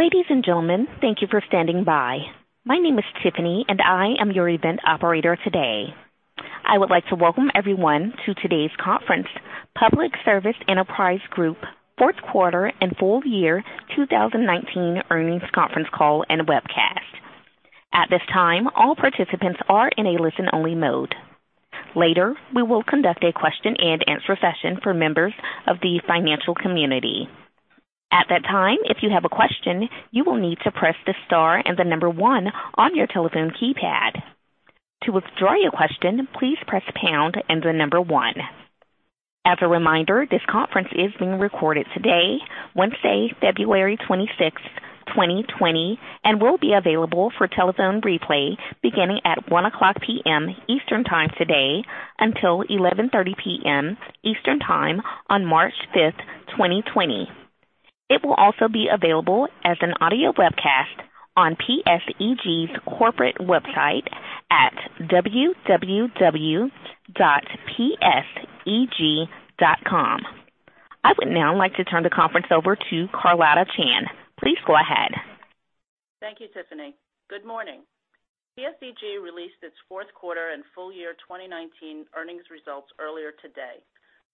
Ladies and gentlemen, thank you for standing by. My name is Tiffany, and I am your event operator today. I would like to welcome everyone to today's conference, Public Service Enterprise Group Fourth Quarter and Full Year 2019 Earnings Conference Call and Webcast. At this time, all participants are in a listen-only mode. Later, we will conduct a question-and-answer session for members of the financial community. At that time, if you have a question, you will need to press the star and the number one on your telephone keypad. To withdraw your question, please press pound and the number one. As a reminder, this conference is being recorded today, Wednesday, February 26th, 2020, and will be available for telephone replay beginning at 1:00 P.M. Eastern time today until 11:30 P.M. Eastern time on March 5th, 2020. It will also be available as an audio webcast on PSEG's corporate website at www.pseg.com. I would now like to turn the conference over to Carlotta Chan. Please go ahead. Thank you, Tiffany. Good morning. PSEG released its fourth quarter and full year 2019 earnings results earlier today.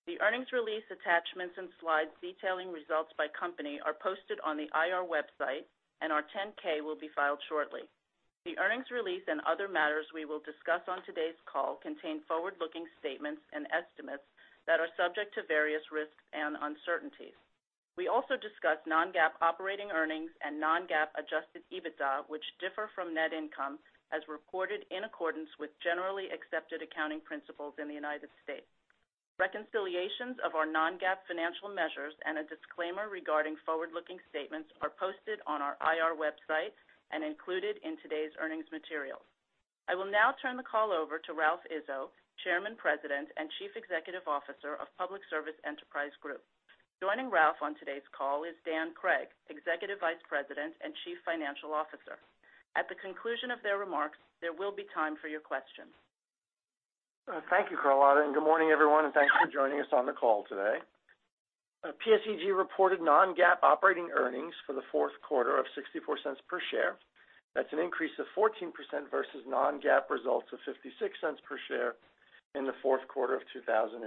The earnings release attachments and slides detailing results by company are posted on the IR website, and our 10-K will be filed shortly. The earnings release and other matters we will discuss on today's call contain forward-looking statements and estimates that are subject to various risks and uncertainties. We also discuss non-GAAP operating earnings and non-GAAP Adjusted EBITDA, which differ from net income as reported in accordance with generally accepted accounting principles in the United States. Reconciliations of our non-GAAP financial measures and a disclaimer regarding forward-looking statements are posted on our IR website and included in today's earnings materials. I will now turn the call over to Ralph Izzo, Chairman, President, and Chief Executive Officer of Public Service Enterprise Group. Joining Ralph on today's call is Dan Cregg, Executive Vice President and Chief Financial Officer. At the conclusion of their remarks, there will be time for your questions. Thank you, Carlotta, and good morning, everyone, and thanks for joining us on the call today. PSEG reported non-GAAP operating earnings for the fourth quarter of $0.64 per share. That's an increase of 14% versus non-GAAP results of $0.56 per share in the fourth quarter of 2018.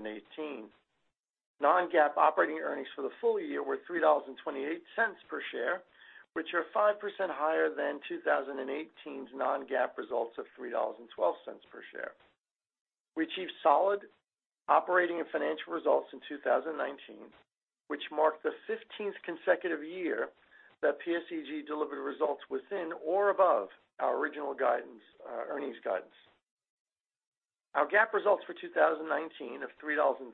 Non-GAAP operating earnings for the full year were $3.28 per share, which are 5% higher than 2018's non-GAAP results of $3.12 per share. We achieved solid operating and financial results in 2019, which marked the 15th consecutive year that PSEG delivered results within or above our original earnings guidance. Our GAAP results for 2019 of $3.33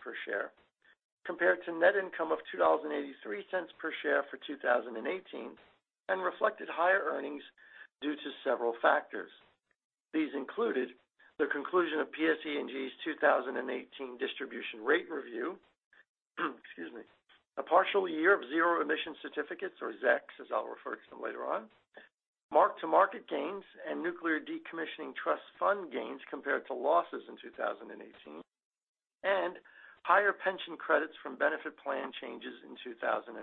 per share compared to net income of $2.83 per share for 2018 and reflected higher earnings due to several factors. These included the conclusion of PSE&G's 2018 distribution rate review. Excuse me. A partial year of Zero Emission Credits or ZECs, as I'll refer to them later on, mark-to-market gains, and nuclear decommissioning trust fund gains compared to losses in 2018, and higher pension credits from benefit plan changes in 2019.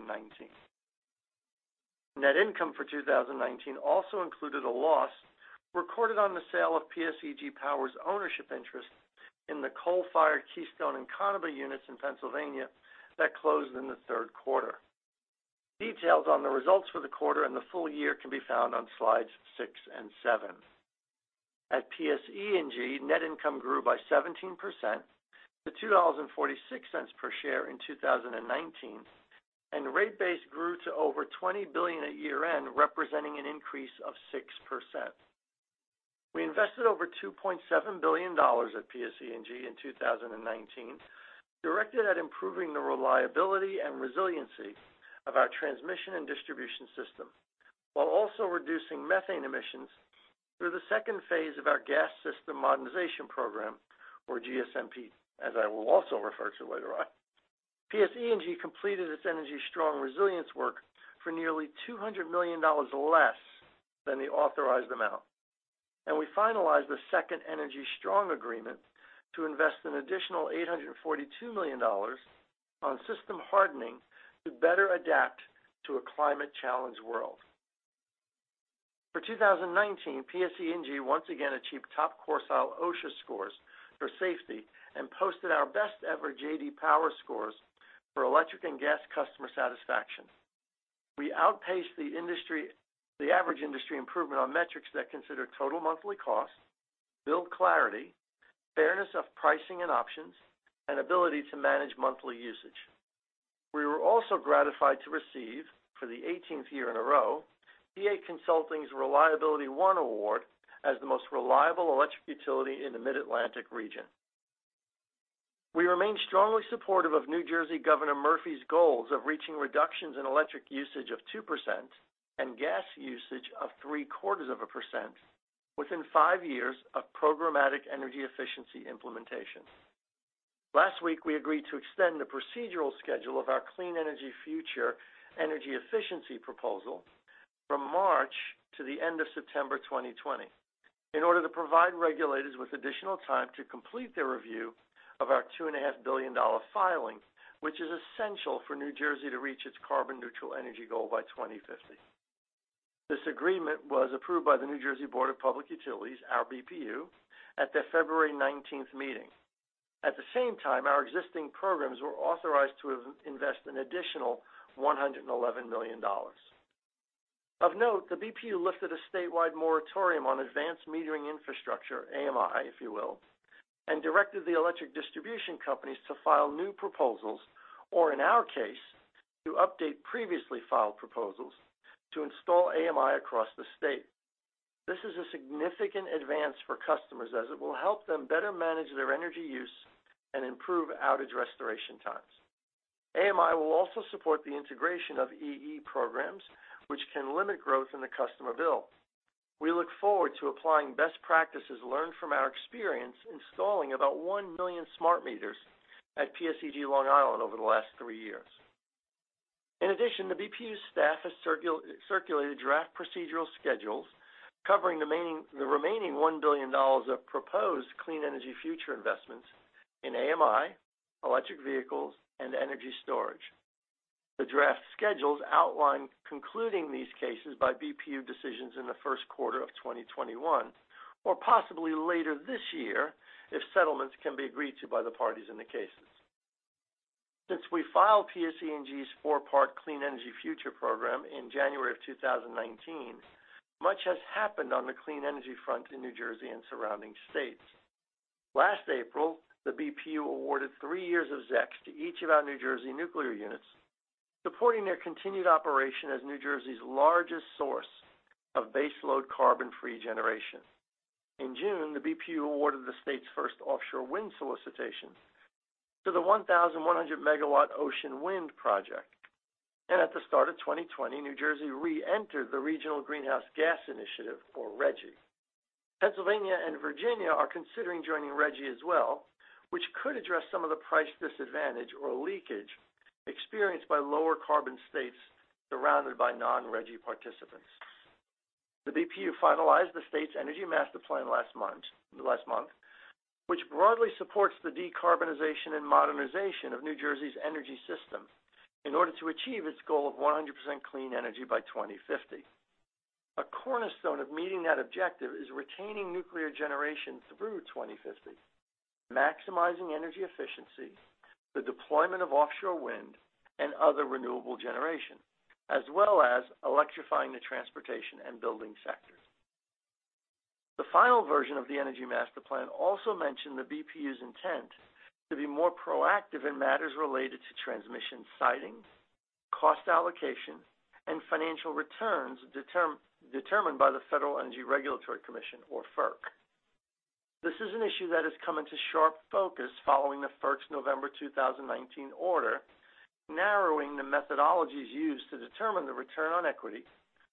Net income for 2019 also included a loss recorded on the sale of PSEG Power's ownership interest in the coal-fired Keystone and Conemaugh units in Pennsylvania that closed in the third quarter. Details on the results for the quarter and the full year can be found on slides six and seven. At PSE&G, net income grew by 17% to $2.46 per share in 2019, and rate base grew to over $20 billion at year-end, representing an increase of 6%. We invested over $2.7 billion at PSE&G in 2019, directed at improving the reliability and resiliency of our transmission and distribution system, while also reducing methane emissions through the second phase of our Gas System Modernization Program or GSMP, as I will also refer to later on. PSE&G completed its Energy Strong resilience work for nearly $200 million less than the authorized amount. We finalized the second Energy Strong agreement to invest an additional $842 million on system hardening to better adapt to a climate-challenged world. For 2019, PSE&G once again achieved top quartile OSHA scores for safety and posted our best-ever J.D. Power scores for electric and gas customer satisfaction. We outpaced the average industry improvement on metrics that consider total monthly cost, bill clarity, fairness of pricing and options, and ability to manage monthly usage. We were also gratified to receive, for the 18th year in a row, PA Consulting's ReliabilityOne Award as the most reliable electric utility in the Mid-Atlantic region. We remain strongly supportive of New Jersey Governor Murphy's goals of reaching reductions in electric usage of 2% and gas usage of three-quarters of a percent within five years of programmatic energy efficiency implementation. Last week, we agreed to extend the procedural schedule of our Clean Energy Future energy efficiency proposal from March to the end of September 2020, in order to provide regulators with additional time to complete their review of our $2.5 billion filing, which is essential for New Jersey to reach its carbon neutral energy goal by 2050. This agreement was approved by the New Jersey Board of Public Utilities, our BPU, at their February 19th meeting. At the same time, our existing programs were authorized to invest an additional $111 million. Of note, the BPU lifted a statewide moratorium on advanced metering infrastructure, AMI, if you will, and directed the electric distribution companies to file new proposals, or in our case, to update previously filed proposals to install AMI across the state. This is a significant advance for customers as it will help them better manage their energy use and improve outage restoration times. AMI will also support the integration of EE programs, which can limit growth in the customer bill. We look forward to applying best practices learned from our experience installing about 1 million smart meters at PSEG Long Island over the last three years. The BPU staff has circulated draft procedural schedules covering the remaining $1 billion of proposed Clean Energy Future investments in AMI, electric vehicles, and energy storage. The draft schedules outline concluding these cases by BPU decisions in the first quarter of 2021, or possibly later this year, if settlements can be agreed to by the parties in the cases. Since we filed PSE&G's four-part Clean Energy Future program in January of 2019, much has happened on the clean energy front in New Jersey and surrounding states. Last April, the BPU awarded three years of ZEC to each of our New Jersey nuclear units, supporting their continued operation as New Jersey's largest source of base load carbon-free generation. In June, the BPU awarded the state's first offshore wind solicitation to the 1,100-megawatt Ocean Wind project. At the start of 2020, New Jersey re-entered the Regional Greenhouse Gas Initiative, or RGGI. Pennsylvania and Virginia are considering joining RGGI as well, which could address some of the price disadvantage or leakage experienced by lower carbon states surrounded by non-RGGI participants. The BPU finalized the state's Energy Master Plan last month, which broadly supports the decarbonization and modernization of New Jersey's energy system in order to achieve its goal of 100% clean energy by 2050. A cornerstone of meeting that objective is retaining nuclear generation through 2050, maximizing energy efficiency, the deployment of offshore wind, and other renewable generation, as well as electrifying the transportation and building sectors. The final version of the Energy Master Plan also mentioned the BPU's intent to be more proactive in matters related to transmission siting, cost allocation, and financial returns determined by the Federal Energy Regulatory Commission, or FERC. This is an issue that has come into sharp focus following the FERC's November 2019 order, narrowing the methodologies used to determine the return on equity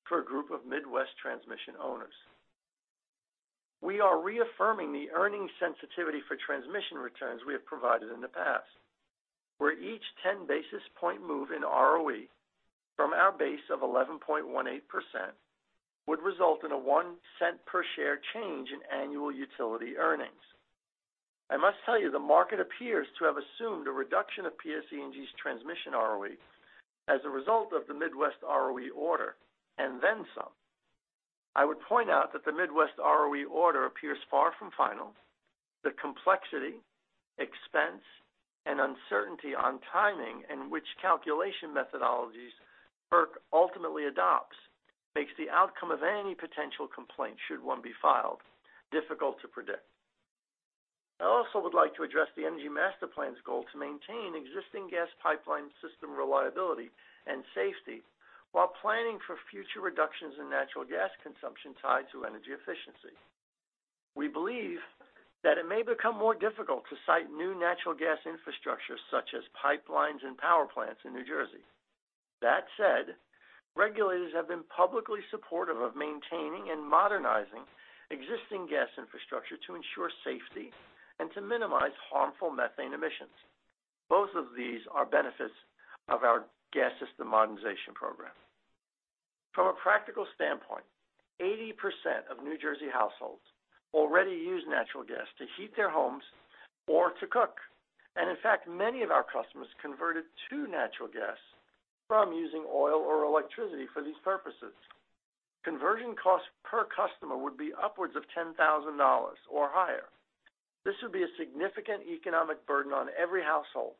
for a group of Midwest transmission owners. We are reaffirming the earning sensitivity for transmission returns we have provided in the past, where each 10 basis point move in ROE from our base of 11.18% would result in a $0.01 per share change in annual utility earnings. I must tell you, the market appears to have assumed a reduction of PSEG's transmission ROE as a result of the Midwest ROE order, and then some. I would point out that the Midwest ROE order appears far from final. The complexity, expense, and uncertainty on timing in which calculation methodologies FERC ultimately adopts makes the outcome of any potential complaint, should one be filed, difficult to predict. I also would like to address the Energy Master Plan's goal to maintain existing gas pipeline system reliability and safety while planning for future reductions in natural gas consumption tied to energy efficiency. We believe that it may become more difficult to site new natural gas infrastructure such as pipelines and power plants in New Jersey. That said, regulators have been publicly supportive of maintaining and modernizing existing gas infrastructure to ensure safety and to minimize harmful methane emissions. Both of these are benefits of our Gas System Modernization Program. From a practical standpoint, 80% of New Jersey households already use natural gas to heat their homes or to cook. In fact, many of our customers converted to natural gas from using oil or electricity for these purposes. Conversion cost per customer would be upwards of $10,000 or higher. This would be a significant economic burden on every household,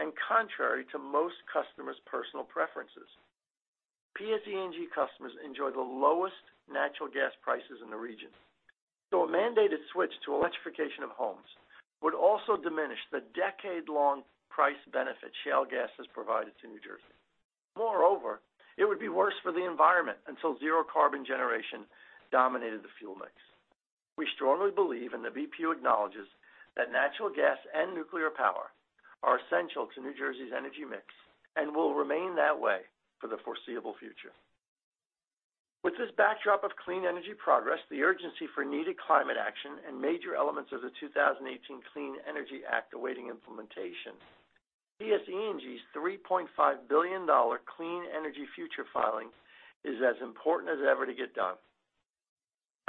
and contrary to most customers' personal preferences. PSEG customers enjoy the lowest natural gas prices in the region. A mandated switch to electrification of homes would also diminish the decade-long price benefit shale gas has provided to New Jersey. Moreover, it would be worse for the environment until zero carbon generation dominated the fuel mix. We strongly believe, and the BPU acknowledges, that natural gas and nuclear power are essential to New Jersey's energy mix and will remain that way for the foreseeable future. With this backdrop of clean energy progress, the urgency for needed climate action, and major elements of the 2018 Clean Energy Act awaiting implementation, PSE&G's $3.5 billion Clean Energy Future filing is as important as ever to get done.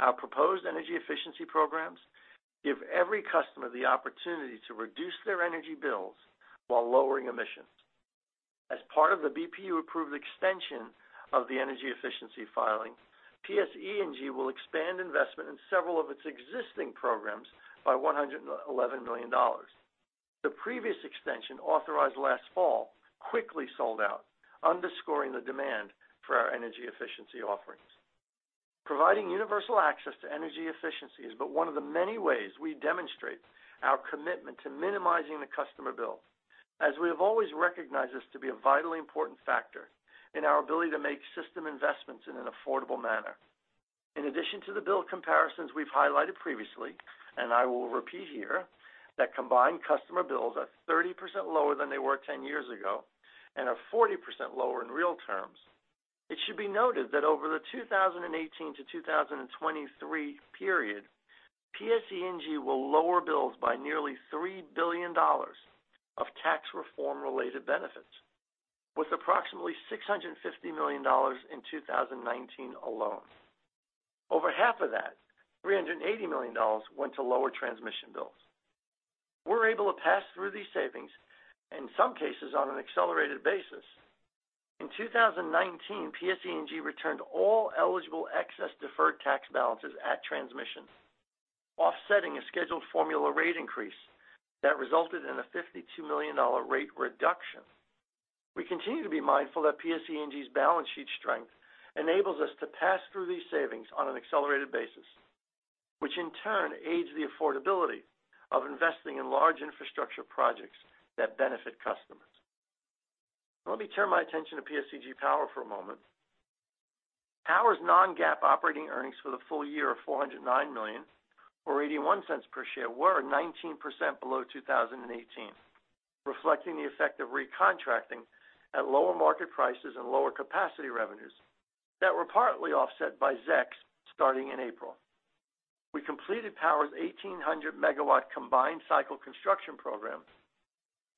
Our proposed energy efficiency programs give every customer the opportunity to reduce their energy bills while lowering emissions. As part of the BPU-approved extension of the energy efficiency filing, PSE&G will expand investment in several of its existing programs by $111 million. The previous extension, authorized last fall, quickly sold out, underscoring the demand for our energy efficiency offerings. Providing universal access to energy efficiency is but one of the many ways we demonstrate our commitment to minimizing the customer bill, as we have always recognized this to be a vitally important factor in our ability to make system investments in an affordable manner. In addition to the bill comparisons we've highlighted previously, and I will repeat here, that combined customer bills are 30% lower than they were 10 years ago and are 40% lower in real terms. It should be noted that over the 2018 to 2023 period, PSE&G will lower bills by nearly $3 billion of tax reform-related benefits, with approximately $650 million in 2019 alone. Over half of that, $380 million, went to lower transmission bills. We're able to pass through these savings, in some cases, on an accelerated basis. In 2019, PSE&G returned all eligible excess deferred tax balances at transmission, offsetting a scheduled formula rate increase that resulted in a $52 million rate reduction. We continue to be mindful that PSE&G's balance sheet strength enables us to pass through these savings on an accelerated basis, which in turn aids the affordability of investing in large infrastructure projects that benefit customers. Let me turn my attention to PSEG Power for a moment. Power's non-GAAP operating earnings for the full year of $409 million, or $0.81 per share, were 19% below 2018, reflecting the effect of recontracting at lower market prices and lower capacity revenues that were partly offset by ZECs starting in April. We completed Power's 1,800-megawatt combined cycle construction program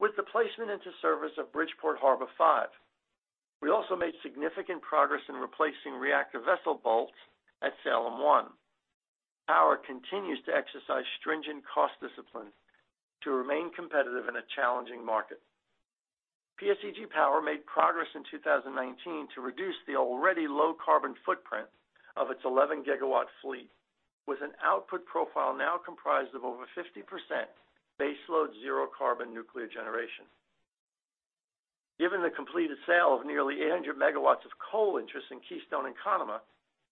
with the placement into service of Bridgeport Harbor 5. We also made significant progress in replacing reactor vessel bolts at Salem 1. Power continues to exercise stringent cost discipline to remain competitive in a challenging market. PSEG Power made progress in 2019 to reduce the already low carbon footprint of its 11-gigawatt fleet with an output profile now comprised of over 50% baseload zero carbon nuclear generation. Given the completed sale of nearly 800 megawatts of coal interest in Keystone and Conemaugh,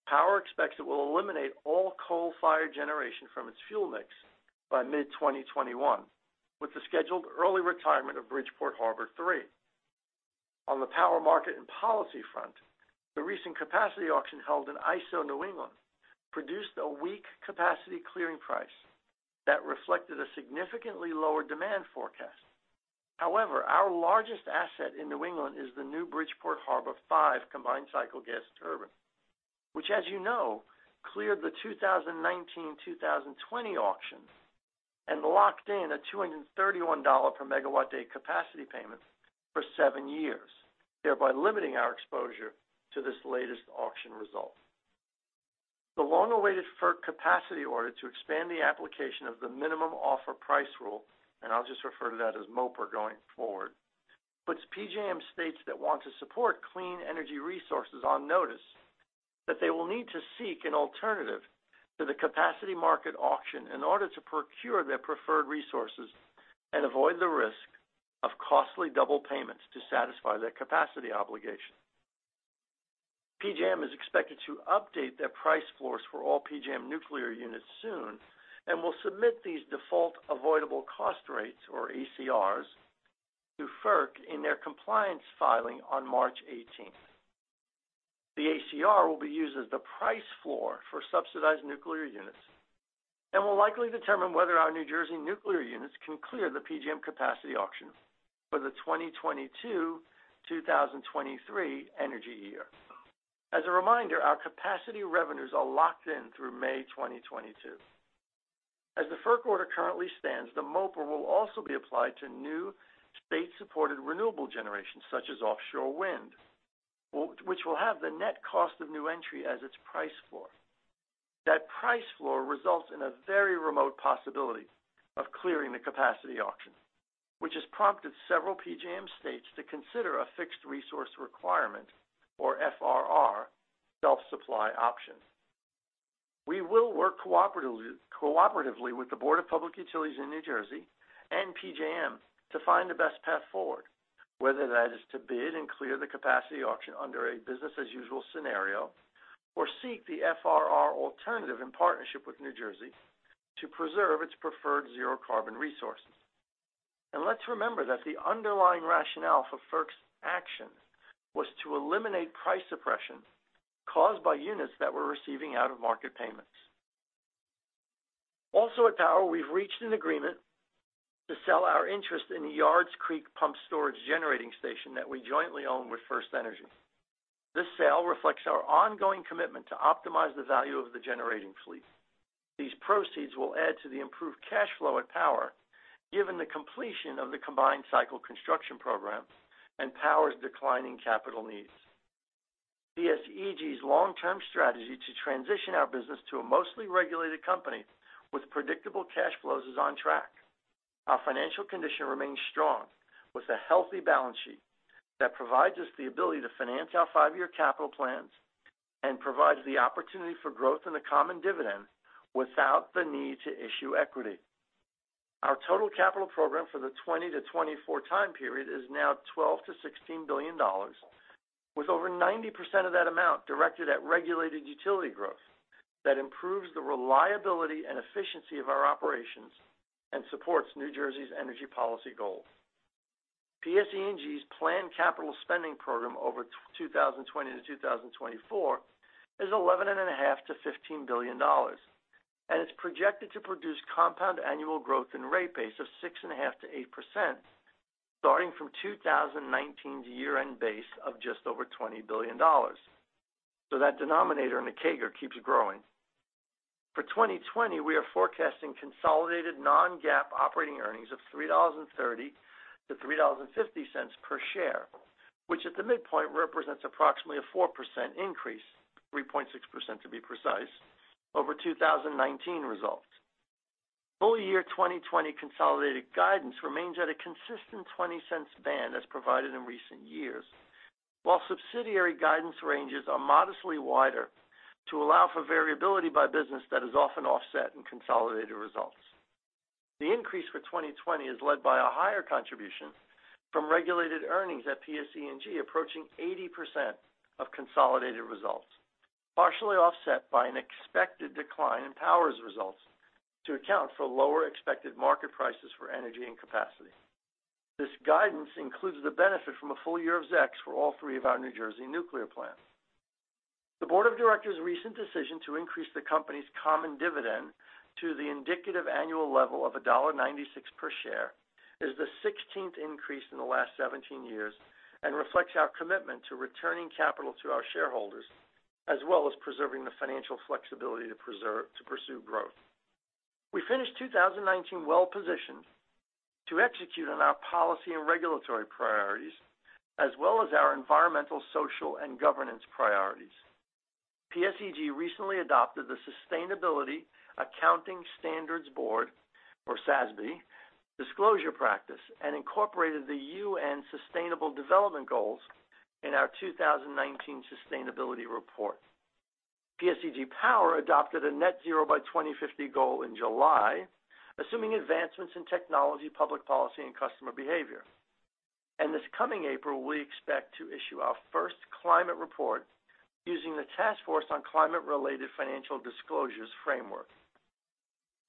Power expects it will eliminate all coal-fired generation from its fuel mix by mid-2021 with the scheduled early retirement of Bridgeport Harbor 3. On the power market and policy front, the recent capacity auction held in ISO New England produced a weak capacity clearing price that reflected a significantly lower demand forecast. However, our largest asset in New England is the new Bridgeport Harbor 5 combined-cycle gas turbine, which as you know, cleared the 2019-2020 auction and locked in a $231 per megawatt day capacity payment for seven years, thereby limiting our exposure to this latest auction result. The long-awaited FERC capacity order to expand the application of the Minimum Offer Price Rule, and I'll just refer to that as MOPR going forward, puts PJM states that want to support clean energy resources on notice that they will need to seek an alternative to the capacity market auction in order to procure their preferred resources and avoid the risk of costly double payments to satisfy their capacity obligation. PJM is expected to update their price floors for all PJM nuclear units soon and will submit these default avoidable cost rates or ACRs to FERC in their compliance filing on March 18th. The ACR will be used as the price floor for subsidized nuclear units and will likely determine whether our New Jersey nuclear units can clear the PJM capacity auction for the 2022-2023 energy year. As a reminder, our capacity revenues are locked in through May 2022. As the FERC order currently stands, the MOPR will also be applied to new state-supported renewable generation, such as offshore wind, which will have the net cost of new entry as its price floor. That price floor results in a very remote possibility of clearing the capacity auction, which has prompted several PJM states to consider a fixed resource requirement, or FRR, self-supply option. We will work cooperatively with the Board of Public Utilities in New Jersey and PJM to find the best path forward, whether that is to bid and clear the capacity auction under a business as usual scenario or seek the FRR alternative in partnership with New Jersey to preserve its preferred zero carbon resources. Let's remember that the underlying rationale for FERC's action was to eliminate price suppression caused by units that were receiving out-of-market payments. At Power, we've reached an agreement to sell our interest in the Yards Creek Pumped Storage Generating Station that we jointly own with FirstEnergy. This sale reflects our ongoing commitment to optimize the value of the generating fleet. These proceeds will add to the improved cash flow at Power, given the completion of the combined cycle construction program and Power's declining capital needs. PSEG's long-term strategy to transition our business to a mostly regulated company with predictable cash flows is on track. Our financial condition remains strong, with a healthy balance sheet that provides us the ability to finance our five-year capital plans and provides the opportunity for growth in the common dividend without the need to issue equity. Our total capital program for the 2020-2024 time period is now $12 billion-$16 billion, with over 90% of that amount directed at regulated utility growth that improves the reliability and efficiency of our operations and supports New Jersey's energy policy goals. PSE&G's planned capital spending program over 2020-2024 is $11.5 billion-$15 billion and is projected to produce compound annual growth in rate base of 6.5%-8%, starting from 2019's year-end base of just over $20 billion. That denominator in the CAGR keeps growing. For 2020, we are forecasting consolidated non-GAAP operating earnings of $3.30-$3.50 per share, which at the midpoint represents approximately a 4% increase, 3.6% to be precise, over 2019 results. Full year 2020 consolidated guidance remains at a consistent $0.20 band as provided in recent years, while subsidiary guidance ranges are modestly wider to allow for variability by business that is often offset in consolidated results. The increase for 2020 is led by a higher contribution from regulated earnings at PSE&G, approaching 80% of consolidated results, partially offset by an expected decline in Power's results to account for lower expected market prices for energy and capacity. This guidance includes the benefit from a full year of ZEC for all three of our New Jersey nuclear plants. The board of directors' recent decision to increase the company's common dividend to the indicative annual level of $1.96 per share is the 16th increase in the last 17 years and reflects our commitment to returning capital to our shareholders, as well as preserving the financial flexibility to pursue growth. We finished 2019 well-positioned to execute on our policy and regulatory priorities, as well as our environmental, social, and governance priorities. PSEG recently adopted the Sustainability Accounting Standards Board, or SASB, disclosure practice and incorporated the UN Sustainable Development Goals in our 2019 sustainability report. PSEG Power adopted a net zero by 2050 goal in July, assuming advancements in technology, public policy, and customer behavior. This coming April, we expect to issue our first climate report using the Task Force on Climate-related Financial Disclosures framework.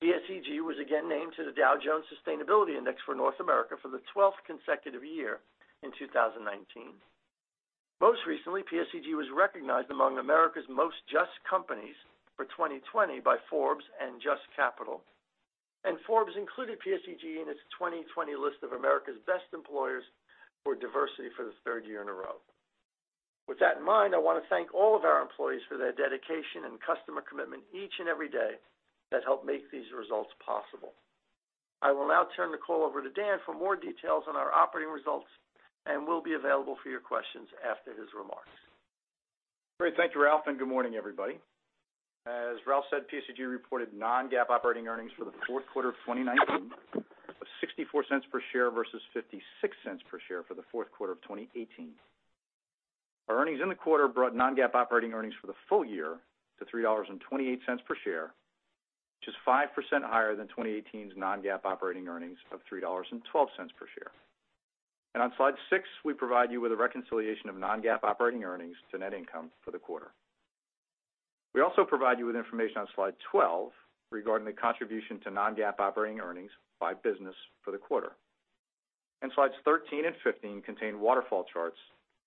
PSEG was again named to the Dow Jones Sustainability Index for North America for the 12th consecutive year in 2019. Most recently, PSEG was recognized among America's Most Just Companies for 2020 by Forbes and JUST Capital. Forbes included PSEG in its 2020 list of America's Best Employers for Diversity for the third year in a row. With that in mind, I want to thank all of our employees for their dedication and customer commitment each and every day that help make these results possible. I will now turn the call over to Dan for more details on our operating results and will be available for your questions after his remarks. Great. Thank you, Ralph. Good morning, everybody. As Ralph said, PSEG reported non-GAAP operating earnings for the fourth quarter of 2019 of $0.64 per share versus $0.56 per share for the fourth quarter of 2018. Our earnings in the quarter brought non-GAAP operating earnings for the full year to $3.28 per share, which is 5% higher than 2018's non-GAAP operating earnings of $3.12 per share. On slide six, we provide you with a reconciliation of non-GAAP operating earnings to net income for the quarter. We also provide you with information on slide 12 regarding the contribution to non-GAAP operating earnings by business for the quarter. Slides 13 and 15 contain waterfall charts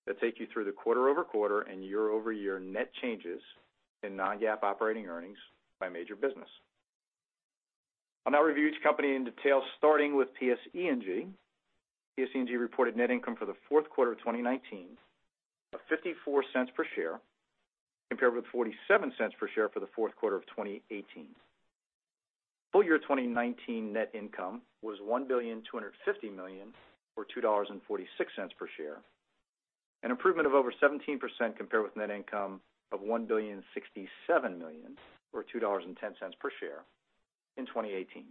that take you through the quarter-over-quarter and year-over-year net changes in non-GAAP operating earnings by major business. I'll now review each company in detail, starting with PSE&G. PSE&G reported net income for the fourth quarter of 2019 of $0.54 per share, compared with $0.47 per share for the fourth quarter of 2018. Full year 2019 net income was $1.25 billion, or $2.46 per share, an improvement of over 17% compared with net income of $1.067 billion, or $2.10 per share, in 2018.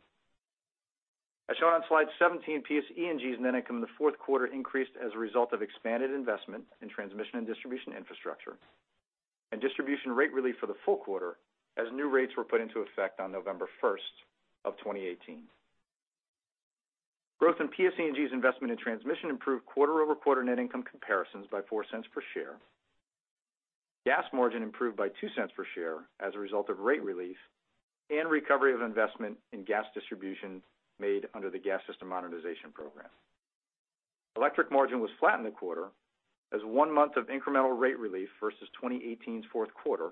As shown on slide 17, PSE&G's net income in the fourth quarter increased as a result of expanded investment in transmission and distribution infrastructure and distribution rate relief for the full quarter as new rates were put into effect on November 1st of 2018. Growth in PSE&G's investment in transmission improved quarter-over-quarter net income comparisons by $0.04 per share. Gas margin improved by $0.02 per share as a result of rate relief and recovery of investment in gas distribution made under the Gas System Modernization Program. Electric margin was flat in the quarter as one month of incremental rate relief versus 2018's fourth quarter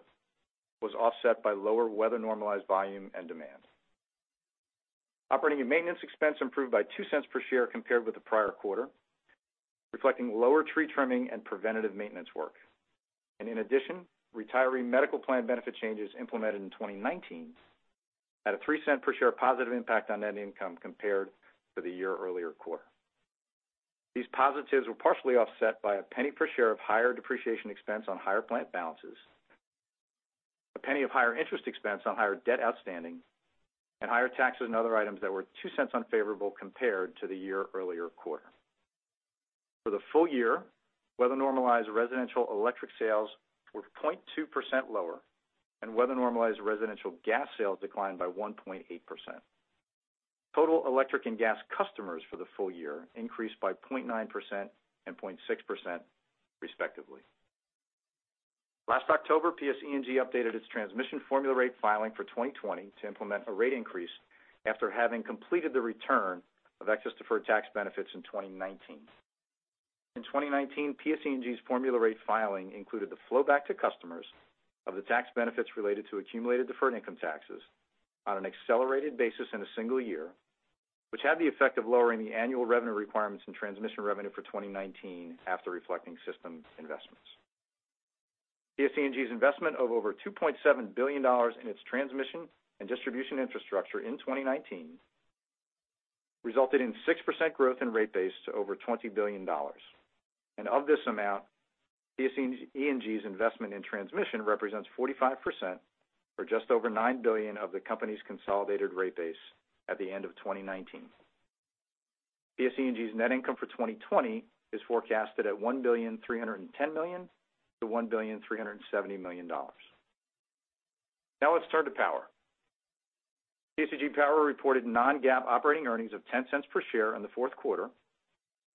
was offset by lower weather-normalized volume and demand. Operating and maintenance expense improved by $0.02 per share compared with the prior quarter, reflecting lower tree trimming and preventative maintenance work. In addition, retiree medical plan benefit changes implemented in 2019 had a $0.03 per share positive impact on net income compared to the year-earlier quarter. These positives were partially offset by $0.01 per share of higher depreciation expense on higher plant balances, $0.01 of higher interest expense on higher debt outstanding, and higher taxes and other items that were $0.02 unfavorable compared to the year-earlier quarter. For the full year, weather-normalized residential electric sales were 0.2% lower, and weather-normalized residential gas sales declined by 1.8%. Total electric and gas customers for the full year increased by 0.9% and 0.6%, respectively. Last October, PSE&G updated its transmission formula rate filing for 2020 to implement a rate increase after having completed the return of excess deferred tax benefits in 2019. In 2019, PSE&G's formula rate filing included the flow back to customers of the tax benefits related to accumulated deferred income taxes on an accelerated basis in a single year, which had the effect of lowering the annual revenue requirements and transmission revenue for 2019 after reflecting system investments. PSE&G's investment of over $2.7 billion in its transmission and distribution infrastructure in 2019 resulted in 6% growth in rate base to over $20 billion. Of this amount, PSE&G's investment in transmission represents 45%, or just over $9 billion of the company's consolidated rate base at the end of 2019. PSE&G's net income for 2020 is forecasted at $1,310 million-$1,370 million. Let's turn to Power. PSEG Power reported non-GAAP operating earnings of $0.10 per share in the fourth quarter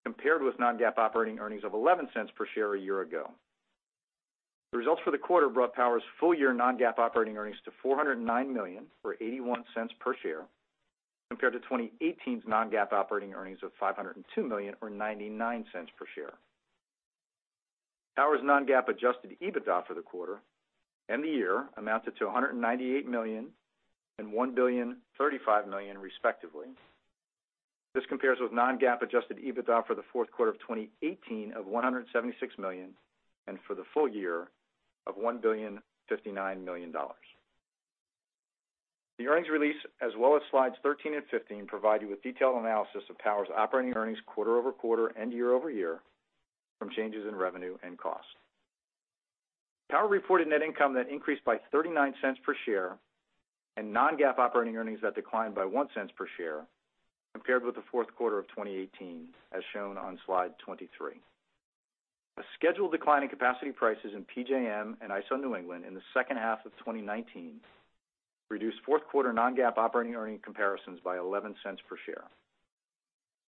compared with non-GAAP operating earnings of $0.11 per share a year ago. The results for the quarter brought Power's full-year non-GAAP operating earnings to $409 million or $0.81 per share, compared to 2018's non-GAAP operating earnings of $502 million or $0.99 per share. Power's non-GAAP Adjusted EBITDA for the quarter and the year amounted to $198 million and $1,035 million, respectively. This compares with non-GAAP Adjusted EBITDA for the fourth quarter of 2018 of $176 million, and for the full year of $1,059 million. The earnings release, as well as slides 13 and 15 provide you with detailed analysis of Power's operating earnings quarter-over-quarter and year-over-year from changes in revenue and cost. Power reported net income that increased by $0.39 per share and non-GAAP operating earnings that declined by $0.01 per share compared with the fourth quarter of 2018, as shown on slide 23. A scheduled decline in capacity prices in PJM and ISO New England in the second half of 2019 reduced fourth quarter non-GAAP operating earning comparisons by $0.11 per share.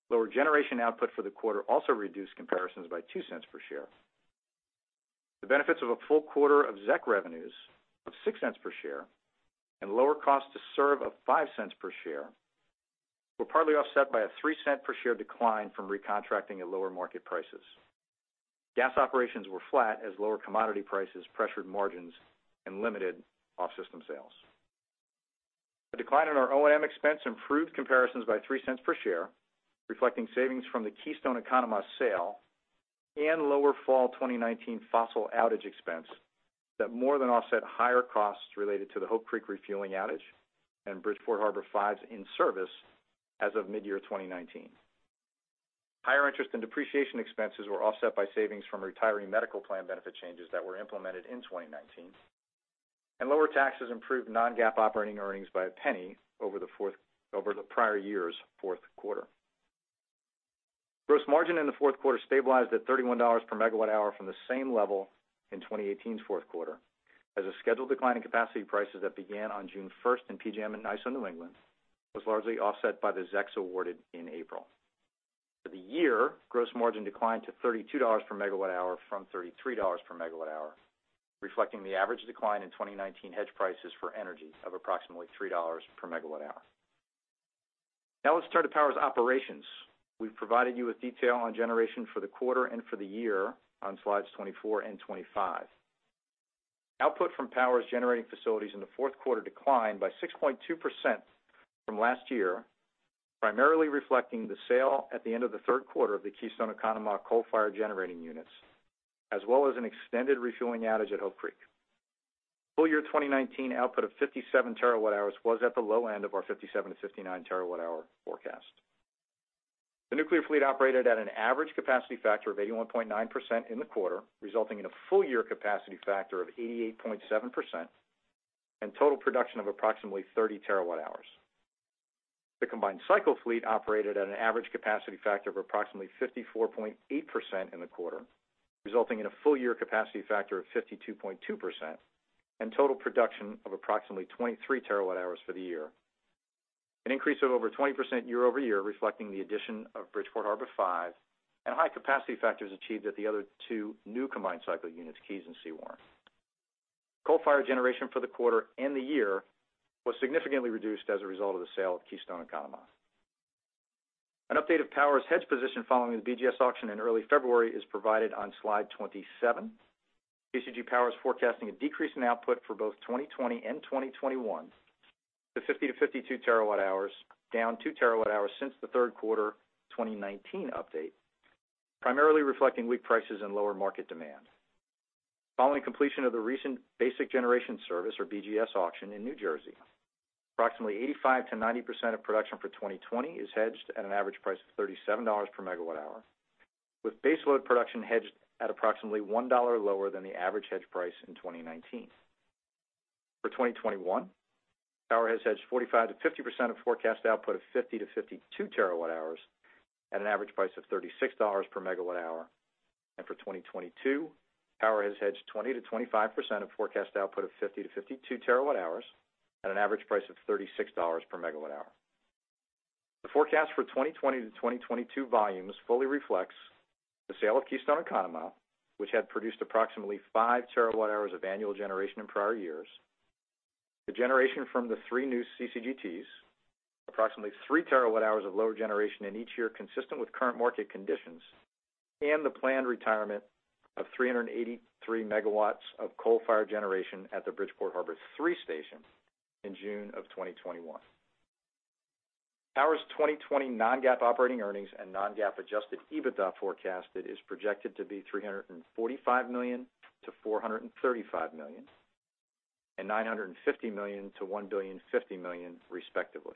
Lower generation output for the quarter also reduced comparisons by $0.02 per share. The benefits of a full quarter of ZEC revenues of $0.06 per share and lower cost to serve of $0.05 per share were partly offset by a $0.03 per share decline from recontracting at lower market prices. Gas operations were flat as lower commodity prices pressured margins and limited off-system sales. A decline in our O&M expense improved comparisons by $0.03 per share, reflecting savings from the Keystone Conemaugh sale and lower fall 2019 fossil outage expense that more than offset higher costs related to the Hope Creek refueling outage and Bridgeport Harbor 5's in-service as of mid-year 2019. Lower taxes improved non-GAAP operating earnings by $0.01 over the prior year's fourth quarter. Gross margin in the fourth quarter stabilized at $31 per megawatt hour from the same level in 2018's fourth quarter as a scheduled decline in capacity prices that began on June 1st in PJM and ISO New England was largely offset by the ZECs awarded in April. For the year, gross margin declined to $32 per megawatt hour from $33 per megawatt hour, reflecting the average decline in 2019 hedge prices for energy of approximately $3 per megawatt hour. Now let's turn to Power's operations. We've provided you with detail on generation for the quarter and for the year on slides 24 and 25. Output from Power's generating facilities in the fourth quarter declined by 6.2% from last year, primarily reflecting the sale at the end of the third quarter of the Keystone Conemaugh coal-fired generating units, as well as an extended refueling outage at Hope Creek. Full year 2019 output of 57 terawatt-hours was at the low end of our 57-59 terawatt-hour forecast. The nuclear fleet operated at an average capacity factor of 81.9% in the quarter, resulting in a full-year capacity factor of 88.7% and total production of approximately 30 terawatt-hours. The combined cycle fleet operated at an average capacity factor of approximately 54.8% in the quarter, resulting in a full-year capacity factor of 52.2% and total production of approximately 23 terawatt-hours for the year. An increase of over 20% year-over-year, reflecting the addition of Bridgeport Harbor 5 and high capacity factors achieved at the other two new combined cycle units, Keys and Sewaren. Coal-fired generation for the quarter and the year was significantly reduced as a result of the sale of Keystone Conemaugh. An update of Power's hedge position following the BGS auction in early February is provided on slide 27. PSEG Power is forecasting a decrease in output for both 2020 and 2021 to 50-52 terawatt hours, down two terawatt hours since the third quarter 2019 update, primarily reflecting weak prices and lower market demand. Following completion of the recent Basic Generation Service, or BGS auction in New Jersey, approximately 85%-90% of production for 2020 is hedged at an average price of $37 per megawatt hour, with base load production hedged at approximately $1 lower than the average hedge price in 2019. For 2021, Power has hedged 45%-50% of forecast output of 50-52 terawatt hours at an average price of $36 per megawatt hour. For 2022, Power has hedged 20%-25% of forecast output of 50-52 terawatt hours at an average price of $36 per megawatt hour. The forecast for 2020-2022 volumes fully reflects the sale of Keystone and Conemaugh, which had produced approximately five terawatt hours of annual generation in prior years. The generation from the three new CCGTs, approximately three terawatt hours of lower generation in each year, consistent with current market conditions, and the planned retirement of 383 megawatts of coal-fired generation at the Bridgeport Harbor 3 station in June of 2021. Power's 2020 non-GAAP operating earnings and non-GAAP Adjusted EBITDA forecast is projected to be $345 million-$435 million, and $950 million-$1,050 million respectively.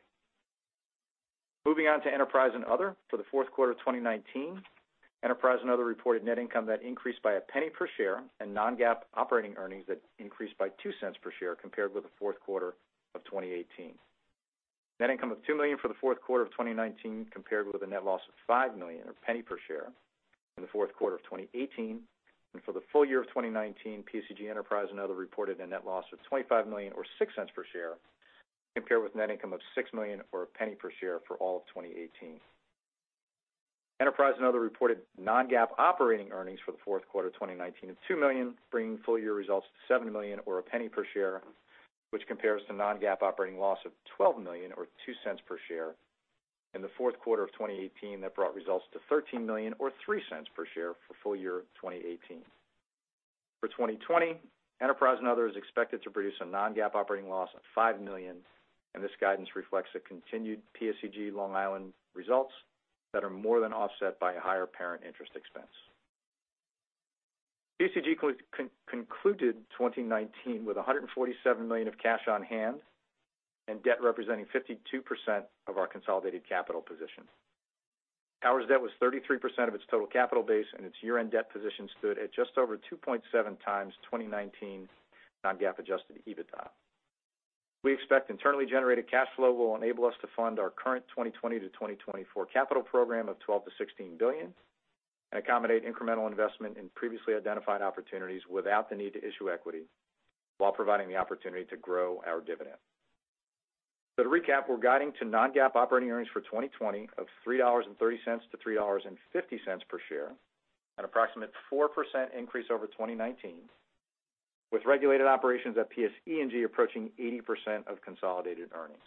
Moving on to Enterprise and Other, for the fourth quarter of 2019, Enterprise and Other reported net income that increased by $0.01 per share and non-GAAP operating earnings that increased by $0.02 per share compared with the fourth quarter of 2018. Net income of $2 million for the fourth quarter of 2019 compared with a net loss of $5 million or $0.01 per share in the fourth quarter of 2018. For the full year of 2019, PSEG Enterprise & Other reported a net loss of $25 million or $0.06 per share, compared with net income of $6 million or $0.01 per share for all of 2018. Enterprise & Other reported non-GAAP operating earnings for the fourth quarter 2019 of $2 million, bringing full year results to $7 million or $0.01 per share, which compares to non-GAAP operating loss of $12 million or $0.02 per share in the fourth quarter of 2018. That brought results to $13 million or $0.03 per share for full year 2018. For 2020, Enterprise & Other is expected to produce a non-GAAP operating loss of $5 million. This guidance reflects a continued PSEG Long Island results that are more than offset by a higher parent interest expense. PSEG concluded 2019 with $147 million of cash on hand and debt representing 52% of our consolidated capital position. Power's debt was 33% of its total capital base, and its year-end debt position stood at just over 2.7x 2019 non-GAAP Adjusted EBITDA. We expect internally generated cash flow will enable us to fund our current 2020-2024 capital program of $12 billion-$16 billion, and accommodate incremental investment in previously identified opportunities without the need to issue equity, while providing the opportunity to grow our dividend. To recap, we're guiding to non-GAAP operating earnings for 2020 of $3.30-$3.50 per share, an approximate 4% increase over 2019, with regulated operations at PSE&G approaching 80% of consolidated earnings.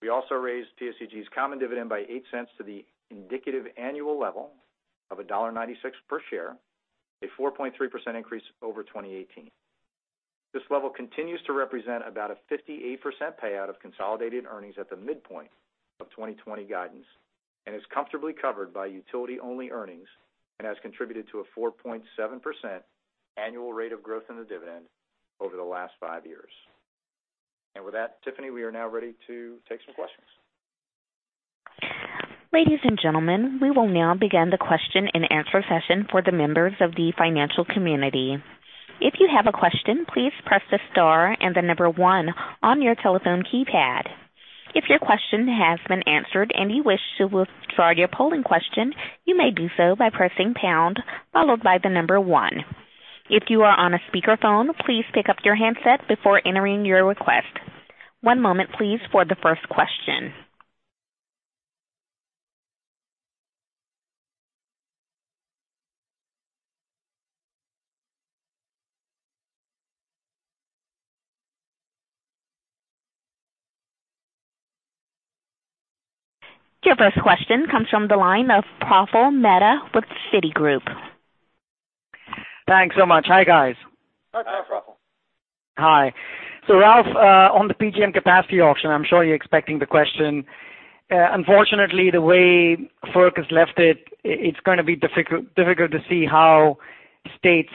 We also raised PSEG's common dividend by $0.08 to the indicative annual level of $1.96 per share, a 4.3% increase over 2018. This level continues to represent about a 58% payout of consolidated earnings at the midpoint of 2020 guidance, is comfortably covered by utility-only earnings and has contributed to a 4.7% annual rate of growth in the dividend over the last five years. With that, Tiffany, we are now ready to take some questions. Ladies and gentlemen, we will now begin the question-and-answer session for the members of the financial community. If you have a question, please press the star and the number one on your telephone keypad. If your question has been answered and you wish to withdraw your polling question, you may do so by pressing pound followed by the number one. If you are on a speakerphone, please pick up your handset before entering your request. One moment please for the first question. Your first question comes from the line of Praful Mehta with Citigroup. Thanks so much. Hi, guys. Hi, Praful. Hi. Ralph, on the PJM capacity auction, I'm sure you're expecting the question. Unfortunately, the way FERC has left it's going to be difficult to see how states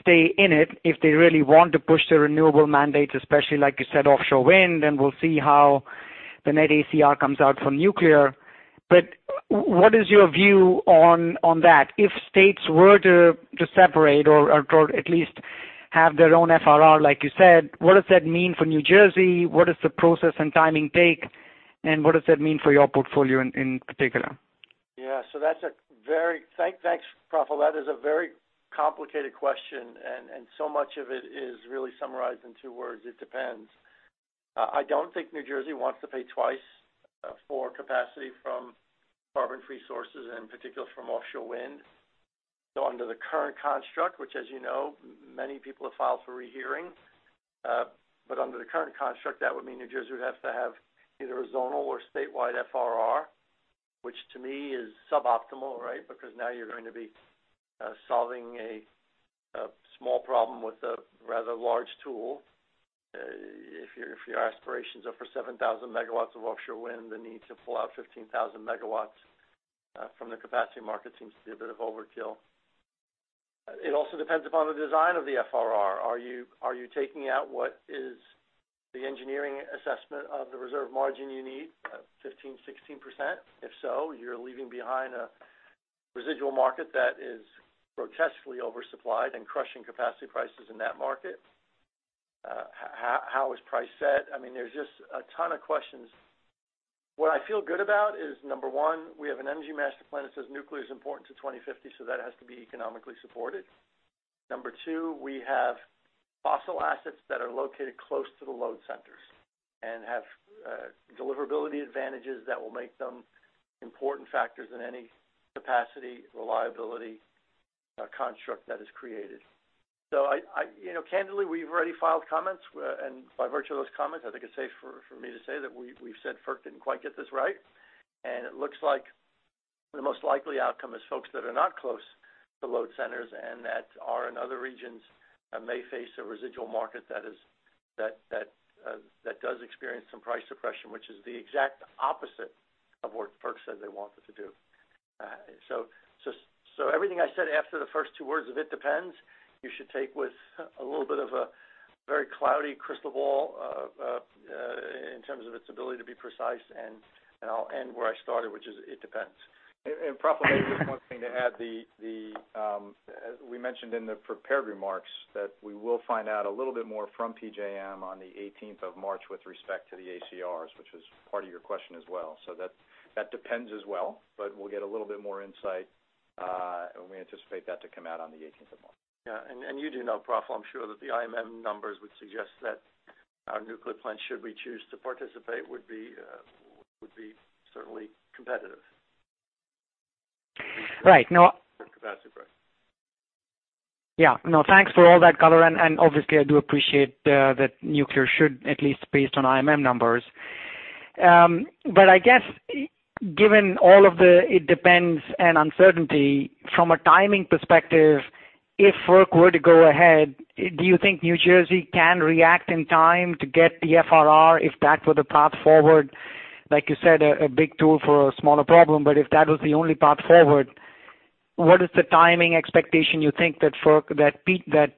stay in it if they really want to push the renewable mandates, especially like you said, offshore wind, and we'll see how the net ACR comes out for nuclear. What is your view on that? If states were to separate or at least have their own FRR, like you said, what does that mean for New Jersey? What does the process and timing take, and what does that mean for your portfolio in particular? Thanks, Praful. That is a very complicated question. So much of it is really summarized in two words: it depends. I don't think New Jersey wants to pay twice for capacity from carbon-free sources, and in particular from offshore wind. Under the current construct, which as you know, many people have filed for rehearing, but under the current construct, that would mean New Jersey would have to have either a zonal or statewide FRR, which to me is suboptimal, right? Now you're going to be solving a small problem with a rather large tool. If your aspirations are for 7,000 megawatts of offshore wind, the need to pull out 15,000 megawatts from the capacity market seems to be a bit of overkill. It also depends upon the design of the FRR. Are you taking out what is the engineering assessment of the reserve margin you need, 15%, 16%? If so, you're leaving behind a residual market that is grotesquely oversupplied and crushing capacity prices in that market. How is price set? There's just a ton of questions. What I feel good about is, number one, we have an Energy Master Plan that says nuclear is important to 2050, so that has to be economically supported. Number two, we have fossil assets that are located close to the load centers and have deliverability advantages that will make them important factors in any capacity, reliability, construct that is created. Candidly, we've already filed comments, and by virtue of those comments, I think it's safe for me to say that we've said FERC didn't quite get this right, and it looks like the most likely outcome is folks that are not close to load centers and that are in other regions may face a residual market that does experience some price suppression, which is the exact opposite of what FERC said they wanted to do. Everything I said after the first two words of, "It depends," you should take with a little bit of a very cloudy crystal ball in terms of its ability to be precise, and I'll end where I started, which is, it depends. Praful, maybe just one thing to add. We mentioned in the prepared remarks that we will find out a little bit more from PJM on the 18th of March with respect to the ACRs, which was part of your question as well. That depends as well, but we'll get a little bit more insight, and we anticipate that to come out on the 18th of March. Yeah. You do know, Praful, I'm sure that the IMM numbers would suggest that our nuclear plant, should we choose to participate, would be certainly competitive. Right. No. For capacity price. Yeah. No, thanks for all that color, and obviously, I do appreciate that nuclear should, at least based on IMM numbers. I guess given all of the it depends and uncertainty, from a timing perspective, if FERC were to go ahead, do you think New Jersey can react in time to get the FRR if that were the path forward? Like you said, a big tool for a smaller problem, but if that was the only path forward, what is the timing expectation you think that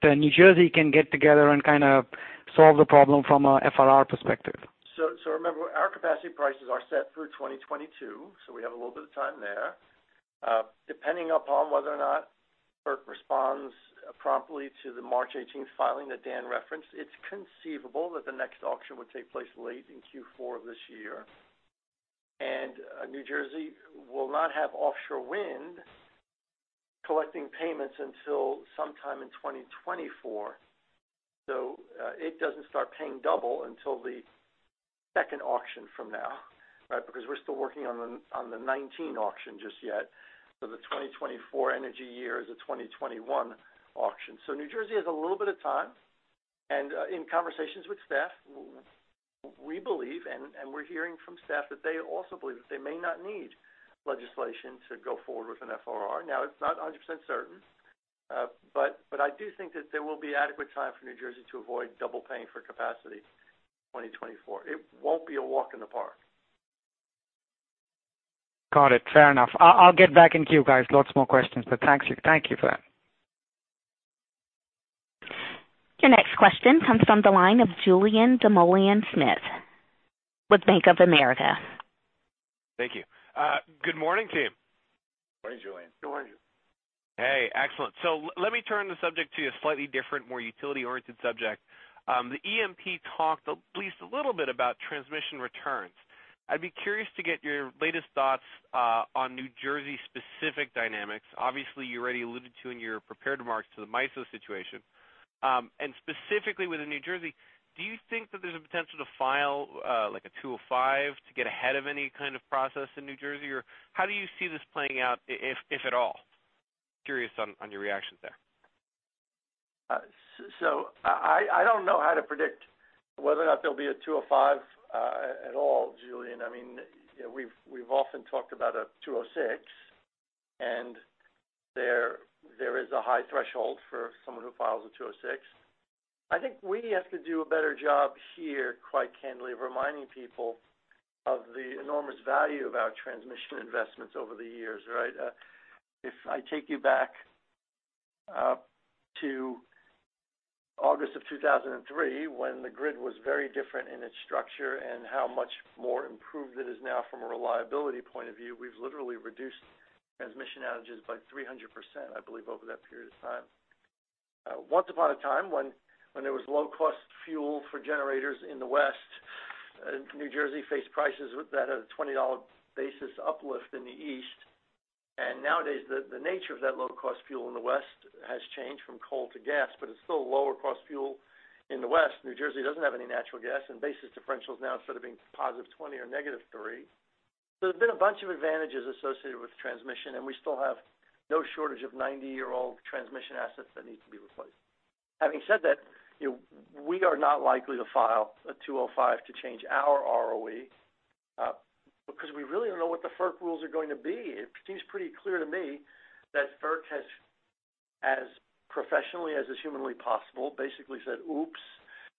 New Jersey can get together and kind of solve the problem from a FRR perspective? Remember, our capacity prices are set through 2022, so we have a little bit of time there. Depending upon whether or not FERC responds promptly to the March 18th filing that Dan referenced, it's conceivable that the next auction would take place late in Q4 of this year. New Jersey will not have offshore wind collecting payments until sometime in 2024. It doesn't start paying double until the second auction from now, right? We're still working on the 2019 auction just yet. The 2024 energy year is a 2021 auction. New Jersey has a little bit of time, and in conversations with staff, we believe, and we're hearing from staff that they also believe that they may not need legislation to go forward with an FRR. Now, it's not 100% certain. I do think that there will be adequate time for New Jersey to avoid double paying for capacity 2024. It won't be a walk in the park. Got it. Fair enough. I'll get back in queue, guys. Lots more questions. Thank you for that. Your next question comes from the line of Julien Dumoulin-Smith with Bank of America. Thank you. Good morning, team. Morning, Julien. Morning. Hey, excellent. Let me turn the subject to a slightly different, more utility-oriented subject. The EMP talked at least a little bit about transmission returns. I'd be curious to get your latest thoughts on New Jersey-specific dynamics. Obviously, you already alluded to in your prepared remarks to the MISO situation. Specifically within New Jersey, do you think that there's a potential to file a 205 to get ahead of any kind of process in New Jersey, or how do you see this playing out, if at all? Curious on your reactions there. I don't know how to predict whether or not there'll be a 205 at all, Julien. We've often talked about a 206, and there is a high threshold for someone who files a 206. I think we have to do a better job here, quite candidly, of reminding people of the enormous value of our transmission investments over the years, right? If I take you back to August of 2003, when the grid was very different in its structure and how much more improved it is now from a reliability point of view, we've literally reduced transmission outages by 300%, I believe, over that period of time. Once upon a time, when there was low-cost fuel for generators in the West, New Jersey faced prices that had a $20 basis uplift in the East. Nowadays, the nature of that low-cost fuel in the West has changed from coal to gas, but it's still lower-cost fuel in the West. New Jersey doesn't have any natural gas, and basis differentials now, instead of being +20 or -3. There's been a bunch of advantages associated with transmission, and we still have no shortage of 90-year-old transmission assets that need to be replaced. Having said that, we are not likely to file a 205 to change our ROE, because we really don't know what the FERC rules are going to be. It seems pretty clear to me that FERC has, as professionally as is humanly possible, basically said, "Oops."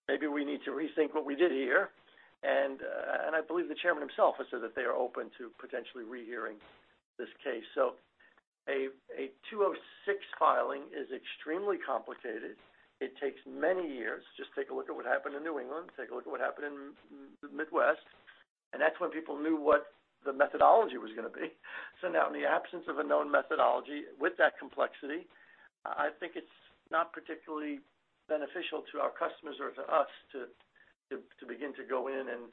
Maybe we need to rethink what we did here. I believe the chairman himself has said that they are open to potentially rehearing this case. A 206 filing is extremely complicated. It takes many years. Just take a look at what happened in New England. Take a look at what happened in the Midwest. That's when people knew what the methodology was going to be. Now, in the absence of a known methodology with that complexity, I think it's not particularly beneficial to our customers or to us to begin to go in and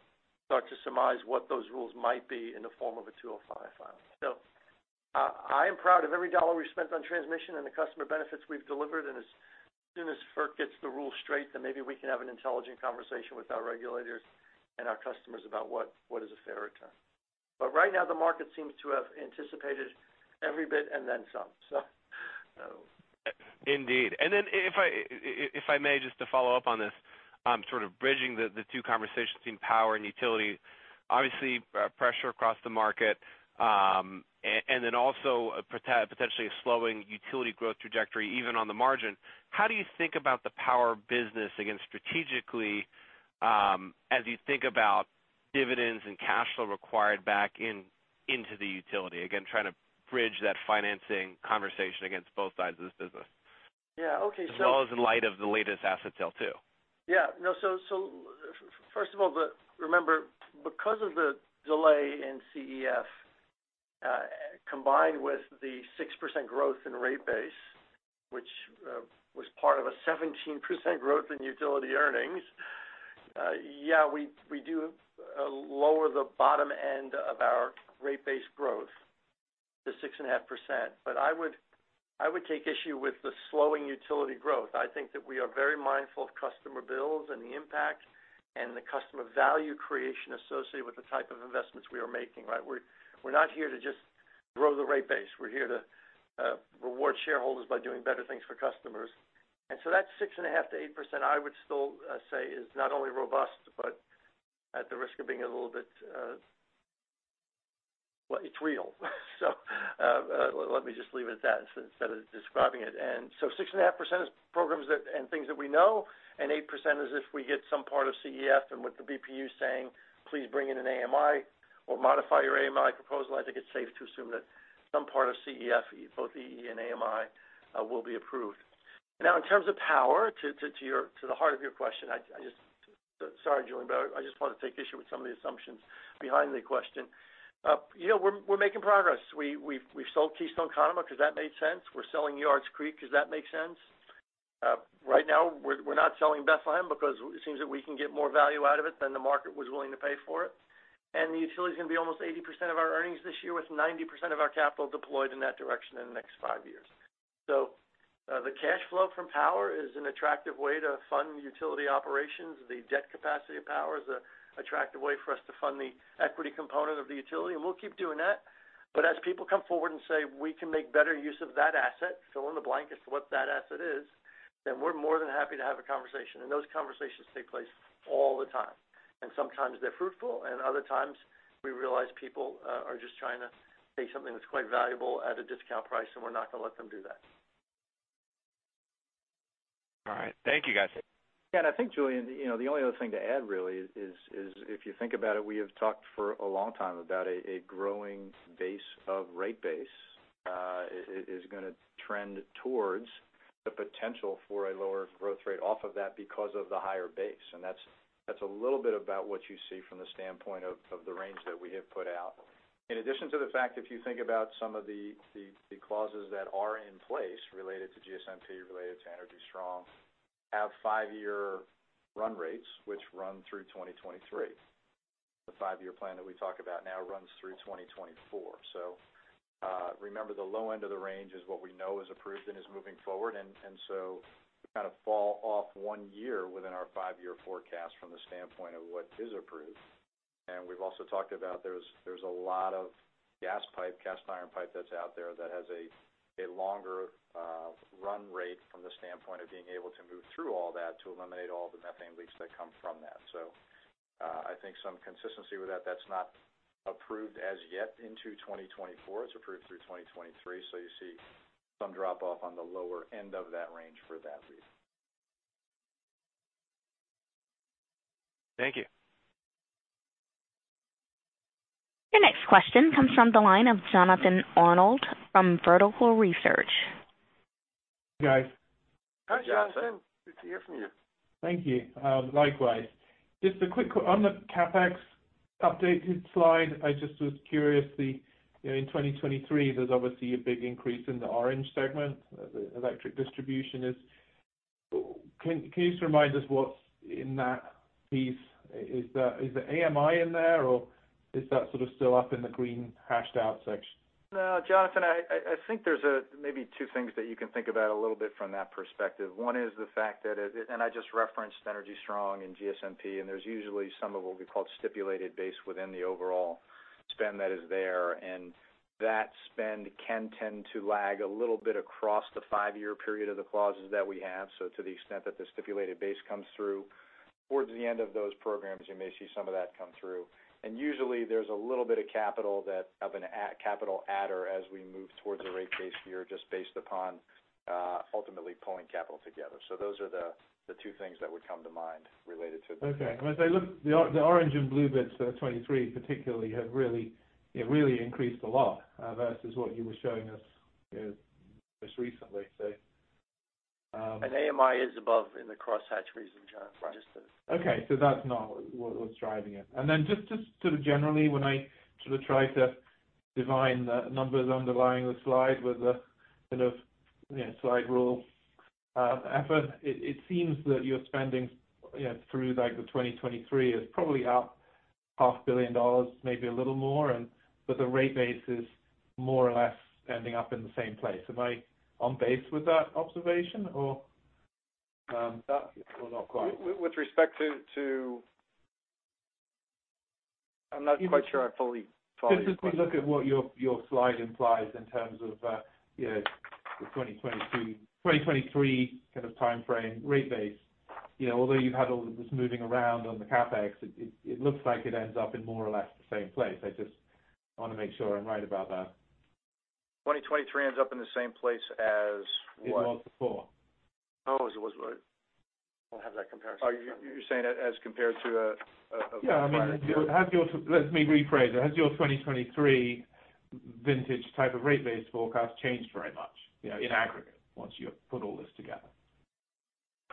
start to surmise what those rules might be in the form of a 205 filing. I am proud of every dollar we've spent on transmission and the customer benefits we've delivered, and as soon as FERC gets the rules straight, then maybe we can have an intelligent conversation with our regulators and our customers about what is a fair return. Right now, the market seems to have anticipated every bit and then some. Indeed. If I may, just to follow up on this, sort of bridging the two conversations between power and utility. Obviously, pressure across the market, also potentially a slowing utility growth trajectory, even on the margin. How do you think about the power of business, again, strategically, as you think about dividends and cash flow required back into the utility? Again, trying to bridge that financing conversation against both sides of this business. Yeah. Okay- As well as in light of the latest asset sale, too. Yeah. No. First of all, remember, because of the delay in CEF, combined with the 6% growth in rate base, which was part of a 17% growth in utility earnings, yeah, we do lower the bottom end of our rate base growth to 6.5%. I would take issue with the slowing utility growth. I think that we are very mindful of customer bills and the impact and the customer value creation associated with the type of investments we are making, right? We're not here to just grow the rate base. We're here to reward shareholders by doing better things for customers. That 6.5%-8%, I would still say is not only robust, but at the risk of being a little bit, well, it's real. Let me just leave it at that instead of describing it. 6.5% is programs and things that we know, and 8% is if we get some part of CEF and with the BPU saying, "Please bring in an AMI or modify your AMI proposal," I think it's safe to assume that some part of CEF, both EE and AMI, will be approved. In terms of power, to the heart of your question. Sorry, Julien, but I just want to take issue with some of the assumptions behind the question. We're making progress. We've sold Keystone Conemaugh because that made sense. We're selling Yards Creek because that makes sense. Right now, we're not selling Bethlehem because it seems that we can get more value out of it than the market was willing to pay for it. The utility's going to be almost 80% of our earnings this year, with 90% of our capital deployed in that direction in the next five years. The cash flow from power is an attractive way to fund utility operations. The debt capacity of power is an attractive way for us to fund the equity component of the utility, and we'll keep doing that. As people come forward and say, "We can make better use of that asset," fill in the blank as to what that asset is, then we're more than happy to have a conversation. Those conversations take place all the time, and sometimes they're fruitful, and other times we realize people are just trying to take something that's quite valuable at a discount price, and we're not going to let them do that. All right. Thank you, guys. I think, Julien, the only other thing to add really is if you think about it, we have talked for a long time about a growing base of rate base is going to trend towards the potential for a lower growth rate off of that because of the higher base. That's a little bit about what you see from the standpoint of the range that we have put out. In addition to the fact, if you think about some of the clauses that are in place related to GSMP, related to Energy Strong, have five-year run rates which run through 2023. The five-year plan that we talk about now runs through 2024. Remember the low end of the range is what we know is approved and is moving forward. We kind of fall off one year within our five-year forecast from the standpoint of what is approved. We've also talked about there's a lot of gas pipe, cast iron pipe that's out there that has a longer run rate from the standpoint of being able to move through all that to eliminate all the methane leaks that come from that. I think some consistency with that's not approved as yet into 2024. It's approved through 2023. You see some drop off on the lower end of that range for that reason. Thank you. Your next question comes from the line of Jonathan Arnold from Vertical Research. Guys. Hi, Jonathan. Good to hear from you. Thank you. Likewise. Just a quick one on the CapEx updated slide. I just was curious, in 2023, there's obviously a big increase in the orange segment, the electric distribution is. Can you just remind us what's in that piece? Is the AMI in there, or is that sort of still up in the green hashed-out section? No, Jonathan, I think there's maybe two things that you can think about a little bit from that perspective. One is the fact that, I just referenced Energy Strong and GSMP, there's usually some of what we call stipulated base within the overall spend that is there. That spend can tend to lag a little bit across the five-year period of the clauses that we have. To the extent that the stipulated base comes through towards the end of those programs, you may see some of that come through. Usually there's a little bit of capital that have an capital adder as we move towards the rate base year, just based upon ultimately pulling capital together. Those are the two things that would come to mind related to. Okay. As I look, the orange and blue bits for 2023 particularly have really increased a lot versus what you were showing us most recently. AMI is above in the cross hatch region, Jon. Right. Okay, that's not what's driving it. Just generally when I try to divine the numbers underlying the slide with a slide rule effort, it seems that your spending through the 2023 is probably up half billion dollars, maybe a little more. The rate base is more or less ending up in the same place. Am I on base with that observation or that was not quite? With respect to I'm not quite sure I fully follow your question. Just look at what your slide implies in terms of the 2023 kind of timeframe rate base. Although you've had all of this moving around on the CapEx, it looks like it ends up in more or less the same place. I just want to make sure I'm right about that. 2023 ends up in the same place as what? It was before. Oh, as it was what? I don't have that comparison. Oh, you're saying as compared to... Yeah, let me rephrase it. Has your 2023 vintage type of rate base forecast changed very much in aggregate, once you put all this together?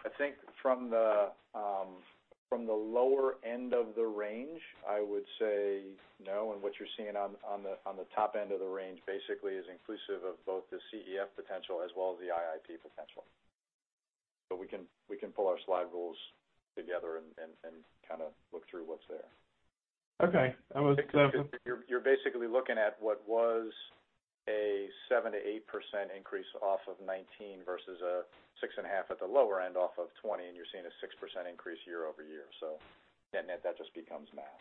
I think from the lower end of the range, I would say no. What you're seeing on the top end of the range basically is inclusive of both the CEF potential as well as the IIP potential. We can pull our slide rules together and kind of look through what's there. Okay. You're basically looking at what was a 7%-8% increase off of 2019 versus a six and a half at the lower end off of 2020, and you're seeing a 6% increase year-over-year. Net-net, that just becomes math.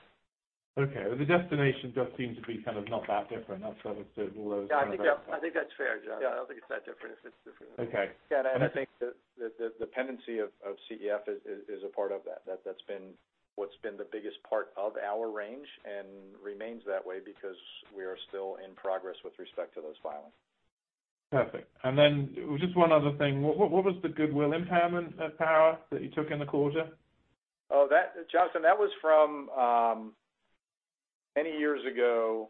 Okay. The destination does seem to be kind of not that different. Yeah, I think that's fair, Jonathan. Yeah, I don't think it's that different. It's different. Okay. Yeah, I think the dependency of CEF is a part of that. That's been what's been the biggest part of our range and remains that way because we are still in progress with respect to those filings. Perfect. Just one other thing. What was the goodwill impairment at Power that you took in the quarter? Jonathan, that was from many years ago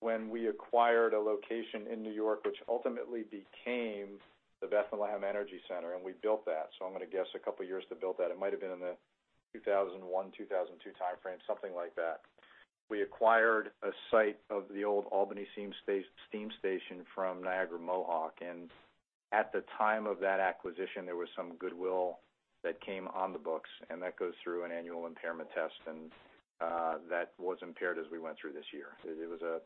when we acquired a location in New York, which ultimately became the Bethlehem Energy Center, and we built that. I'm going to guess a couple of years to build that. It might've been in the 2001, 2002 timeframe, something like that. We acquired a site of the old Albany Steam Station from Niagara Mohawk. At the time of that acquisition, there was some goodwill that came on the books, and that goes through an annual impairment test. That was impaired as we went through this year. It was a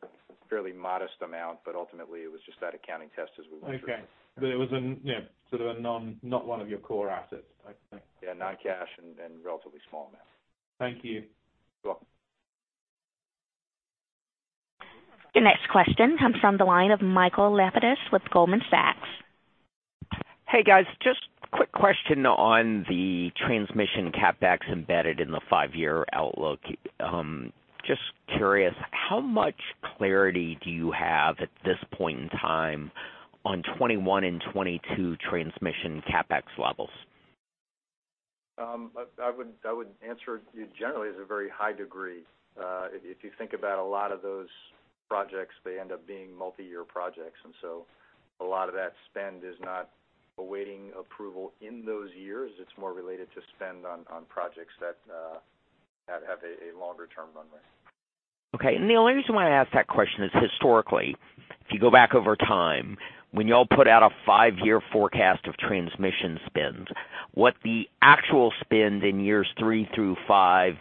fairly modest amount, but ultimately it was just that accounting test as we went through. Okay. It was a sort of not one of your core assets. Yeah, non-cash and relatively small amount. Thank you. You're welcome. The next question comes from the line of Michael Lapides with Goldman Sachs. Hey, guys, just quick question on the transmission CapEx embedded in the five-year outlook. Just curious, how much clarity do you have at this point in time on 2021 and 2022 transmission CapEx levels? I would answer generally as a very high degree. If you think about a lot of those projects, they end up being multi-year projects. A lot of that spend is not awaiting approval in those years. It's more related to spend on projects that have a longer-term runway. Okay. The only reason why I ask that question is historically, if you go back over time, when y'all put out a five-year forecast of transmission spend, what the actual spend in years three through five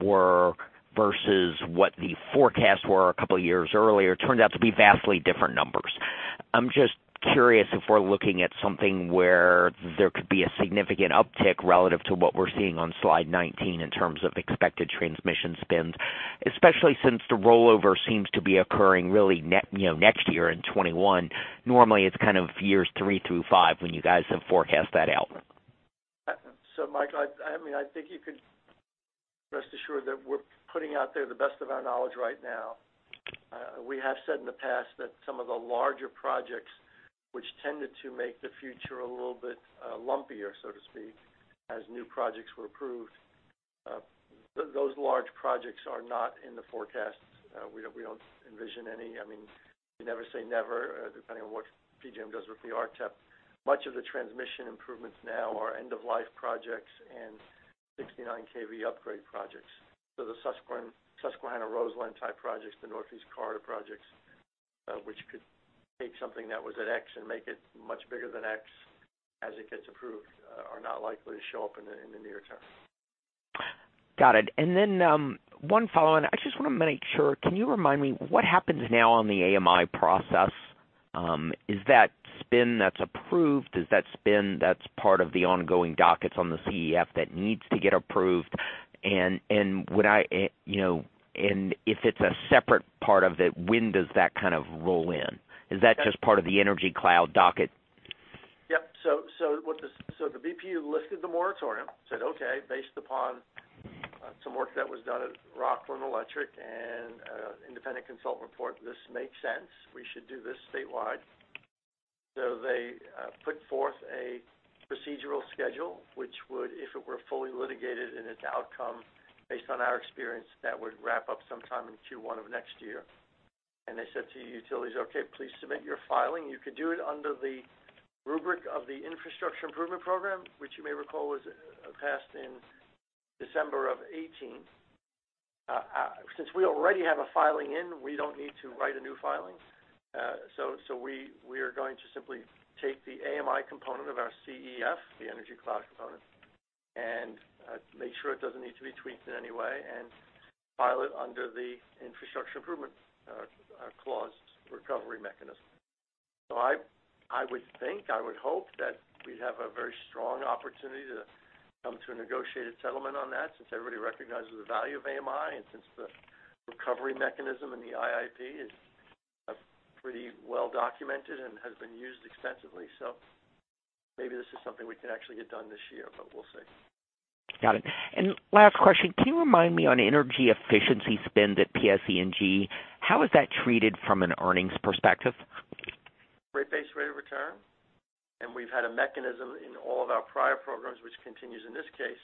were versus what the forecasts were a couple of years earlier turned out to be vastly different numbers. I'm just curious if we're looking at something where there could be a significant uptick relative to what we're seeing on slide 19 in terms of expected transmission spend, especially since the rollover seems to be occurring really next year in 2021. Normally, it's kind of years three through five when you guys have forecast that out. Michael, I think you could rest assured that we're putting out there the best of our knowledge right now. We have said in the past that some of the larger projects, which tended to make the future a little bit lumpier, so to speak, as new projects were approved, those large projects are not in the forecast. We don't envision any. I mean, you never say never, depending on what PJM does with the RTEP. Much of the transmission improvements now are end-of-life projects and 69 kV upgrade projects. The Susquehanna-Roseland type projects, the Northeast [Grid]projects, which could take something that was at X and make it much bigger than X as it gets approved, are not likely to show up in the near term. Got it. One follow-on. I just want to make sure, can you remind me what happens now on the AMI process? Is that spin that's approved, is that spin that's part of the ongoing dockets on the CEF that needs to get approved? If it's a separate part of it, when does that roll in? Is that just part of the Energy Cloud docket? Yep. The BPU lifted the moratorium, said, "Okay, based upon some work that was done at Rockland Electric and independent consult report, this makes sense. We should do this statewide." They said to utilities, "Okay, please submit your filing. You can do it under the rubric of the Infrastructure Improvement Program," which you may recall was passed in December of 2018. Since we already have a filing in, we don't need to write a new filing. We are going to simply take the AMI component of our CEF, the Energy Cloud component, and make sure it doesn't need to be tweaked in any way and file it under the Infrastructure Improvement Clause Recovery Mechanism. I would think, I would hope that we'd have a very strong opportunity to come to a negotiated settlement on that, since everybody recognizes the value of AMI and since the recovery mechanism in the IIP is pretty well-documented and has been used extensively. Maybe this is something we can actually get done this year, but we'll see. Got it. Last question, can you remind me on energy efficiency spend at PSE&G, how is that treated from an earnings perspective? Rate base, rate of return. We've had a mechanism in all of our prior programs, which continues in this case,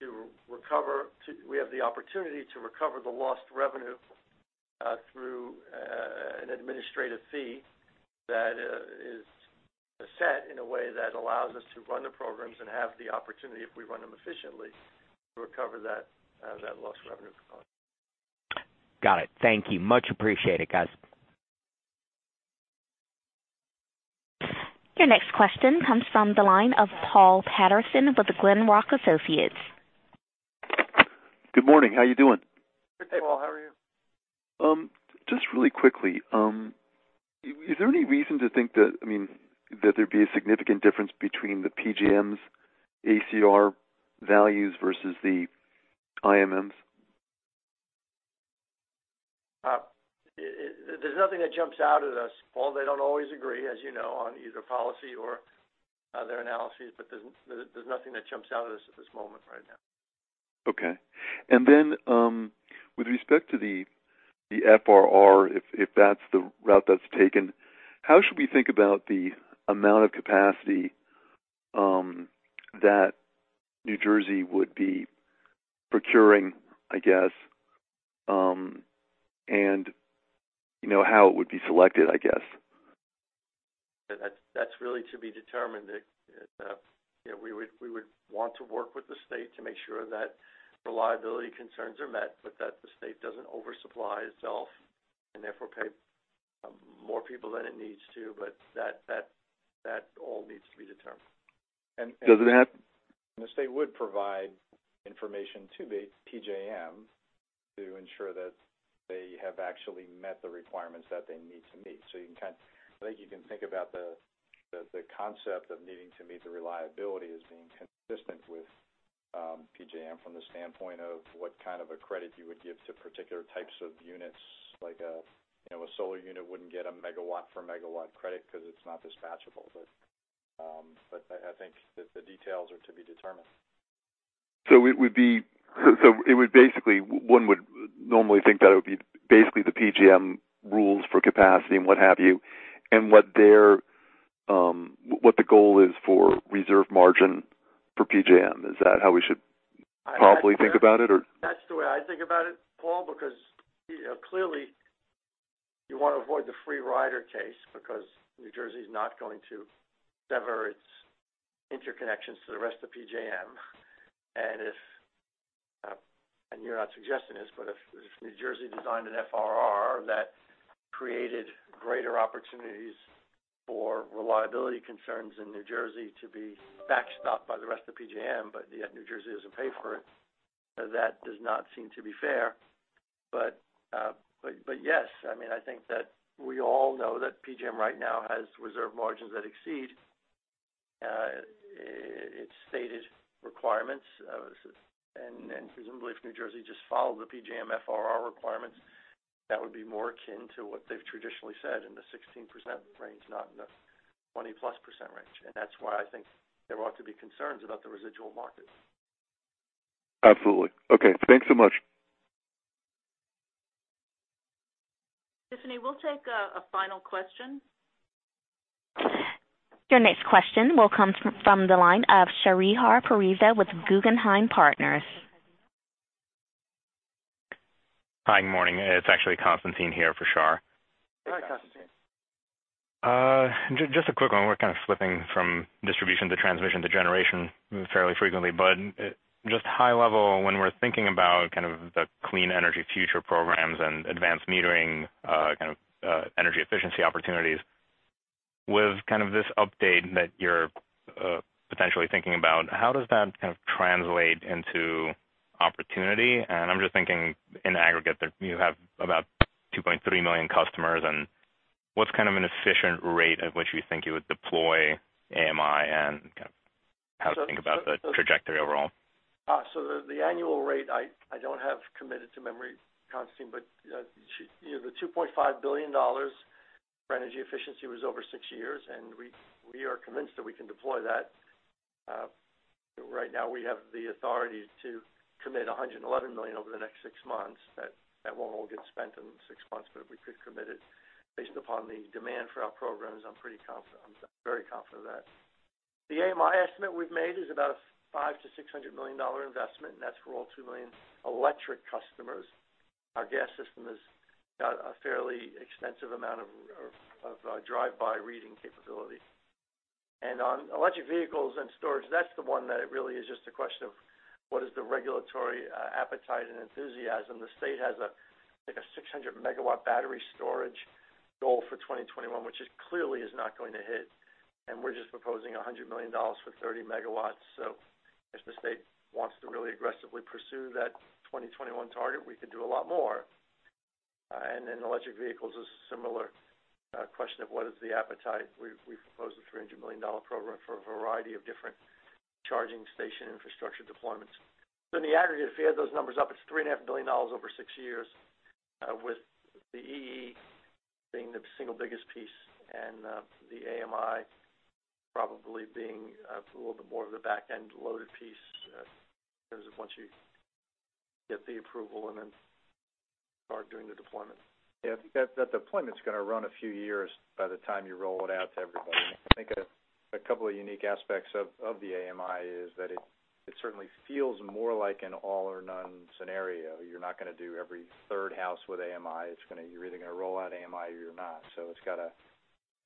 we have the opportunity to recover the lost revenue through an administrative fee that is set in a way that allows us to run the programs and have the opportunity, if we run them efficiently, to recover that lost revenue component. Got it. Thank you. Much appreciated, guys. Your next question comes from the line of Paul Patterson with Glenrock Associates. Good morning. How are you doing? Hey, Paul. How are you? Just really quickly. Is there any reason to think that there'd be a significant difference between the PJM's ACR values versus the IMM? There's nothing that jumps out at us, Paul. They don't always agree, as you know, on either policy or their analyses, but there's nothing that jumps out at us at this moment right now. Okay. Then, with respect to the FRR, if that's the route that's taken, how should we think about the amount of capacity that New Jersey would be procuring, I guess, and how it would be selected, I guess? That's really to be determined. We would want to work with the state to make sure that reliability concerns are met, but that the state doesn't oversupply itself and therefore pay more people than it needs to. That all needs to be determined. Does it have- The state would provide information to PJM to ensure that they have actually met the requirements that they need to meet. I think you can think about the concept of needing to meet the reliability as being consistent with PJM from the standpoint of what kind of a credit you would give to particular types of units, like a solar unit wouldn't get a megawatt for megawatt credit because it's not dispatchable. I think that the details are to be determined. One would normally think that it would be basically the PJM rules for capacity and what have you, and what the goal is for reserve margin for PJM. Is that how we should probably think about it, or? That's the way I think about it, Paul, because clearly you want to avoid the free rider case because New Jersey's not going to sever its interconnections to the rest of PJM. You're not suggesting this, but if New Jersey designed an FRR that created greater opportunities for reliability concerns in New Jersey to be backstopped by the rest of PJM, but yet New Jersey doesn't pay for it, that does not seem to be fair. Yes, I think that we all know that PJM right now has reserve margins that exceed its stated requirements. Presumably, if New Jersey just followed the PJM FRR requirements, that would be more akin to what they've traditionally said in the 16% range, not in the 20%+ range. That's why I think there ought to be concerns about the residual market. Absolutely. Okay. Thanks so much. Tiffany, we'll take a final question. Your next question will come from the line of Shahriar Pourreza with Guggenheim Partners. Hi, good morning. It's actually Constantine here for Shah. Hi, Constantine. Just a quick one. We're kind of flipping from distribution to transmission to generation fairly frequently. Just high level, when we're thinking about the Clean Energy Future programs and advanced metering energy efficiency opportunities with kind of this update that you're potentially thinking about, how does that kind of translate into opportunity? I'm just thinking in aggregate that you have about 2.3 million customers, and what's kind of an efficient rate at which you think you would deploy AMI and kind of how to think about the trajectory overall? The annual rate, I don't have committed to memory, Constantine, the $25 billion for energy efficiency was over six years, we are convinced that we can deploy that. Right now we have the authority to commit $111 million over the next six months. That won't all get spent in six months, if we could commit it based upon the demand for our programs, I'm pretty confident. I'm very confident of that. The AMI estimate we've made is about a $500 million-$600 million investment, that's for all 2 million electric customers. Our gas system has got a fairly extensive amount of drive-by reading capability. On electric vehicles and storage, that's the one that it really is just a question of what is the regulatory appetite and enthusiasm. The state has a 600 MW battery storage goal for 2021, which it clearly is not going to hit. We're just proposing $100 million for 30 MW. If the state wants to really aggressively pursue that 2021 target, we could do a lot more. Electric vehicles is a similar question of what is the appetite. We propose a $300 million program for a variety of different charging station infrastructure deployments. In the aggregate, if you add those numbers up, it's $3.5 billion over six years, with the EE being the single biggest piece and the AMI probably being a little bit more of the back-end loaded piece in terms of once you get the approval and then start doing the deployment. Yeah, that deployment's going to run a few years by the time you roll it out to everybody. I think a couple of unique aspects of the AMI is that it certainly feels more like an all or none scenario. You're not going to do every third house with AMI. You're either going to roll out AMI or you're not. It's got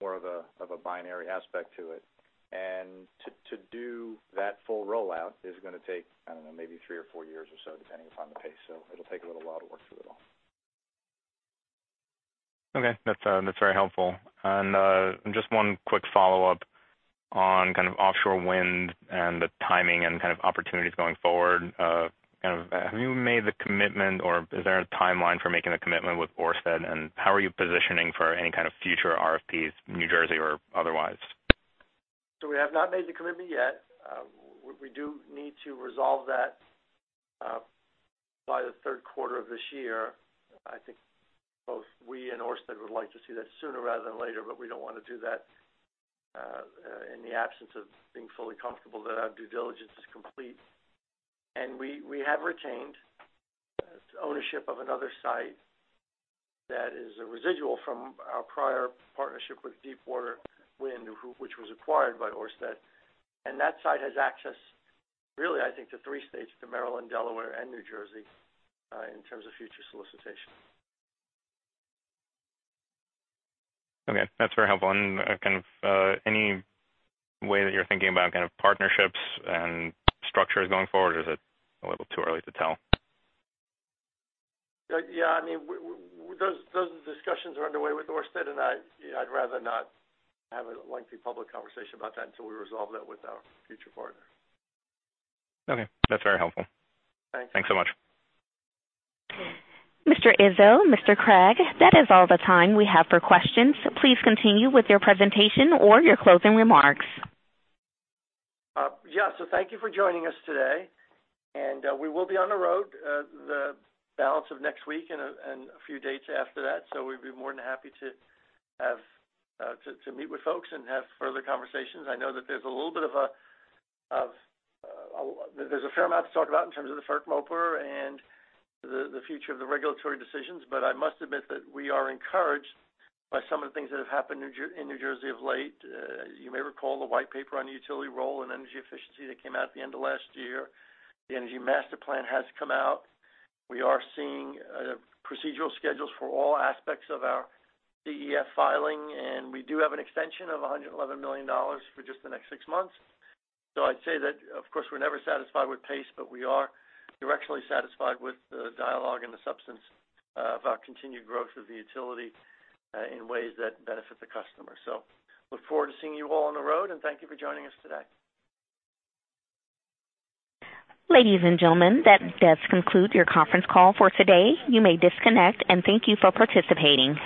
more of a binary aspect to it. To do that full rollout is going to take, I don't know, maybe three or four years or so, depending upon the pace. It'll take a little while to work through it all. Okay, that's very helpful. Just one quick follow-up on kind of offshore wind and the timing and kind of opportunities going forward. Have you made the commitment or is there a timeline for making a commitment with Ørsted? How are you positioning for any kind of future RFPs in New Jersey or otherwise? We have not made the commitment yet. We do need to resolve that by the third quarter of this year. I think both we and Ørsted would like to see that sooner rather than later, but we don't want to do that in the absence of being fully comfortable that our due diligence is complete. We have retained ownership of another site that is a residual from our prior partnership with Deepwater Wind, which was acquired by Ørsted. That site has access, really, I think, to three states, to Maryland, Delaware, and New Jersey, in terms of future solicitation. Okay, that's very helpful. Any way that you're thinking about kind of partnerships and structures going forward, or is it a little too early to tell? Yeah, those discussions are underway with Ørsted, and I'd rather not have a lengthy public conversation about that until we resolve that with our future partner. Okay, that's very helpful. Thanks. Thanks so much. Mr. Izzo, Mr. Cregg, that is all the time we have for questions. Please continue with your presentation or your closing remarks. Thank you for joining us today, and we will be on the road the balance of next week and a few dates after that. We'd be more than happy to meet with folks and have further conversations. I know that there's a fair amount to talk about in terms of the FERC MOPR and the future of the regulatory decisions. I must admit that we are encouraged by some of the things that have happened in New Jersey of late. You may recall the white paper on utility role in energy efficiency that came out at the end of last year. The Energy Master Plan has come out. We are seeing procedural schedules for all aspects of our CEF filing, and we do have an extension of $111 million for just the next six months. I'd say that, of course, we're never satisfied with pace, but we are directionally satisfied with the dialogue and the substance of our continued growth of the utility in ways that benefit the customer. Look forward to seeing you all on the road, and thank you for joining us today. Ladies and gentlemen, that does conclude your conference call for today. You may disconnect. Thank you for participating.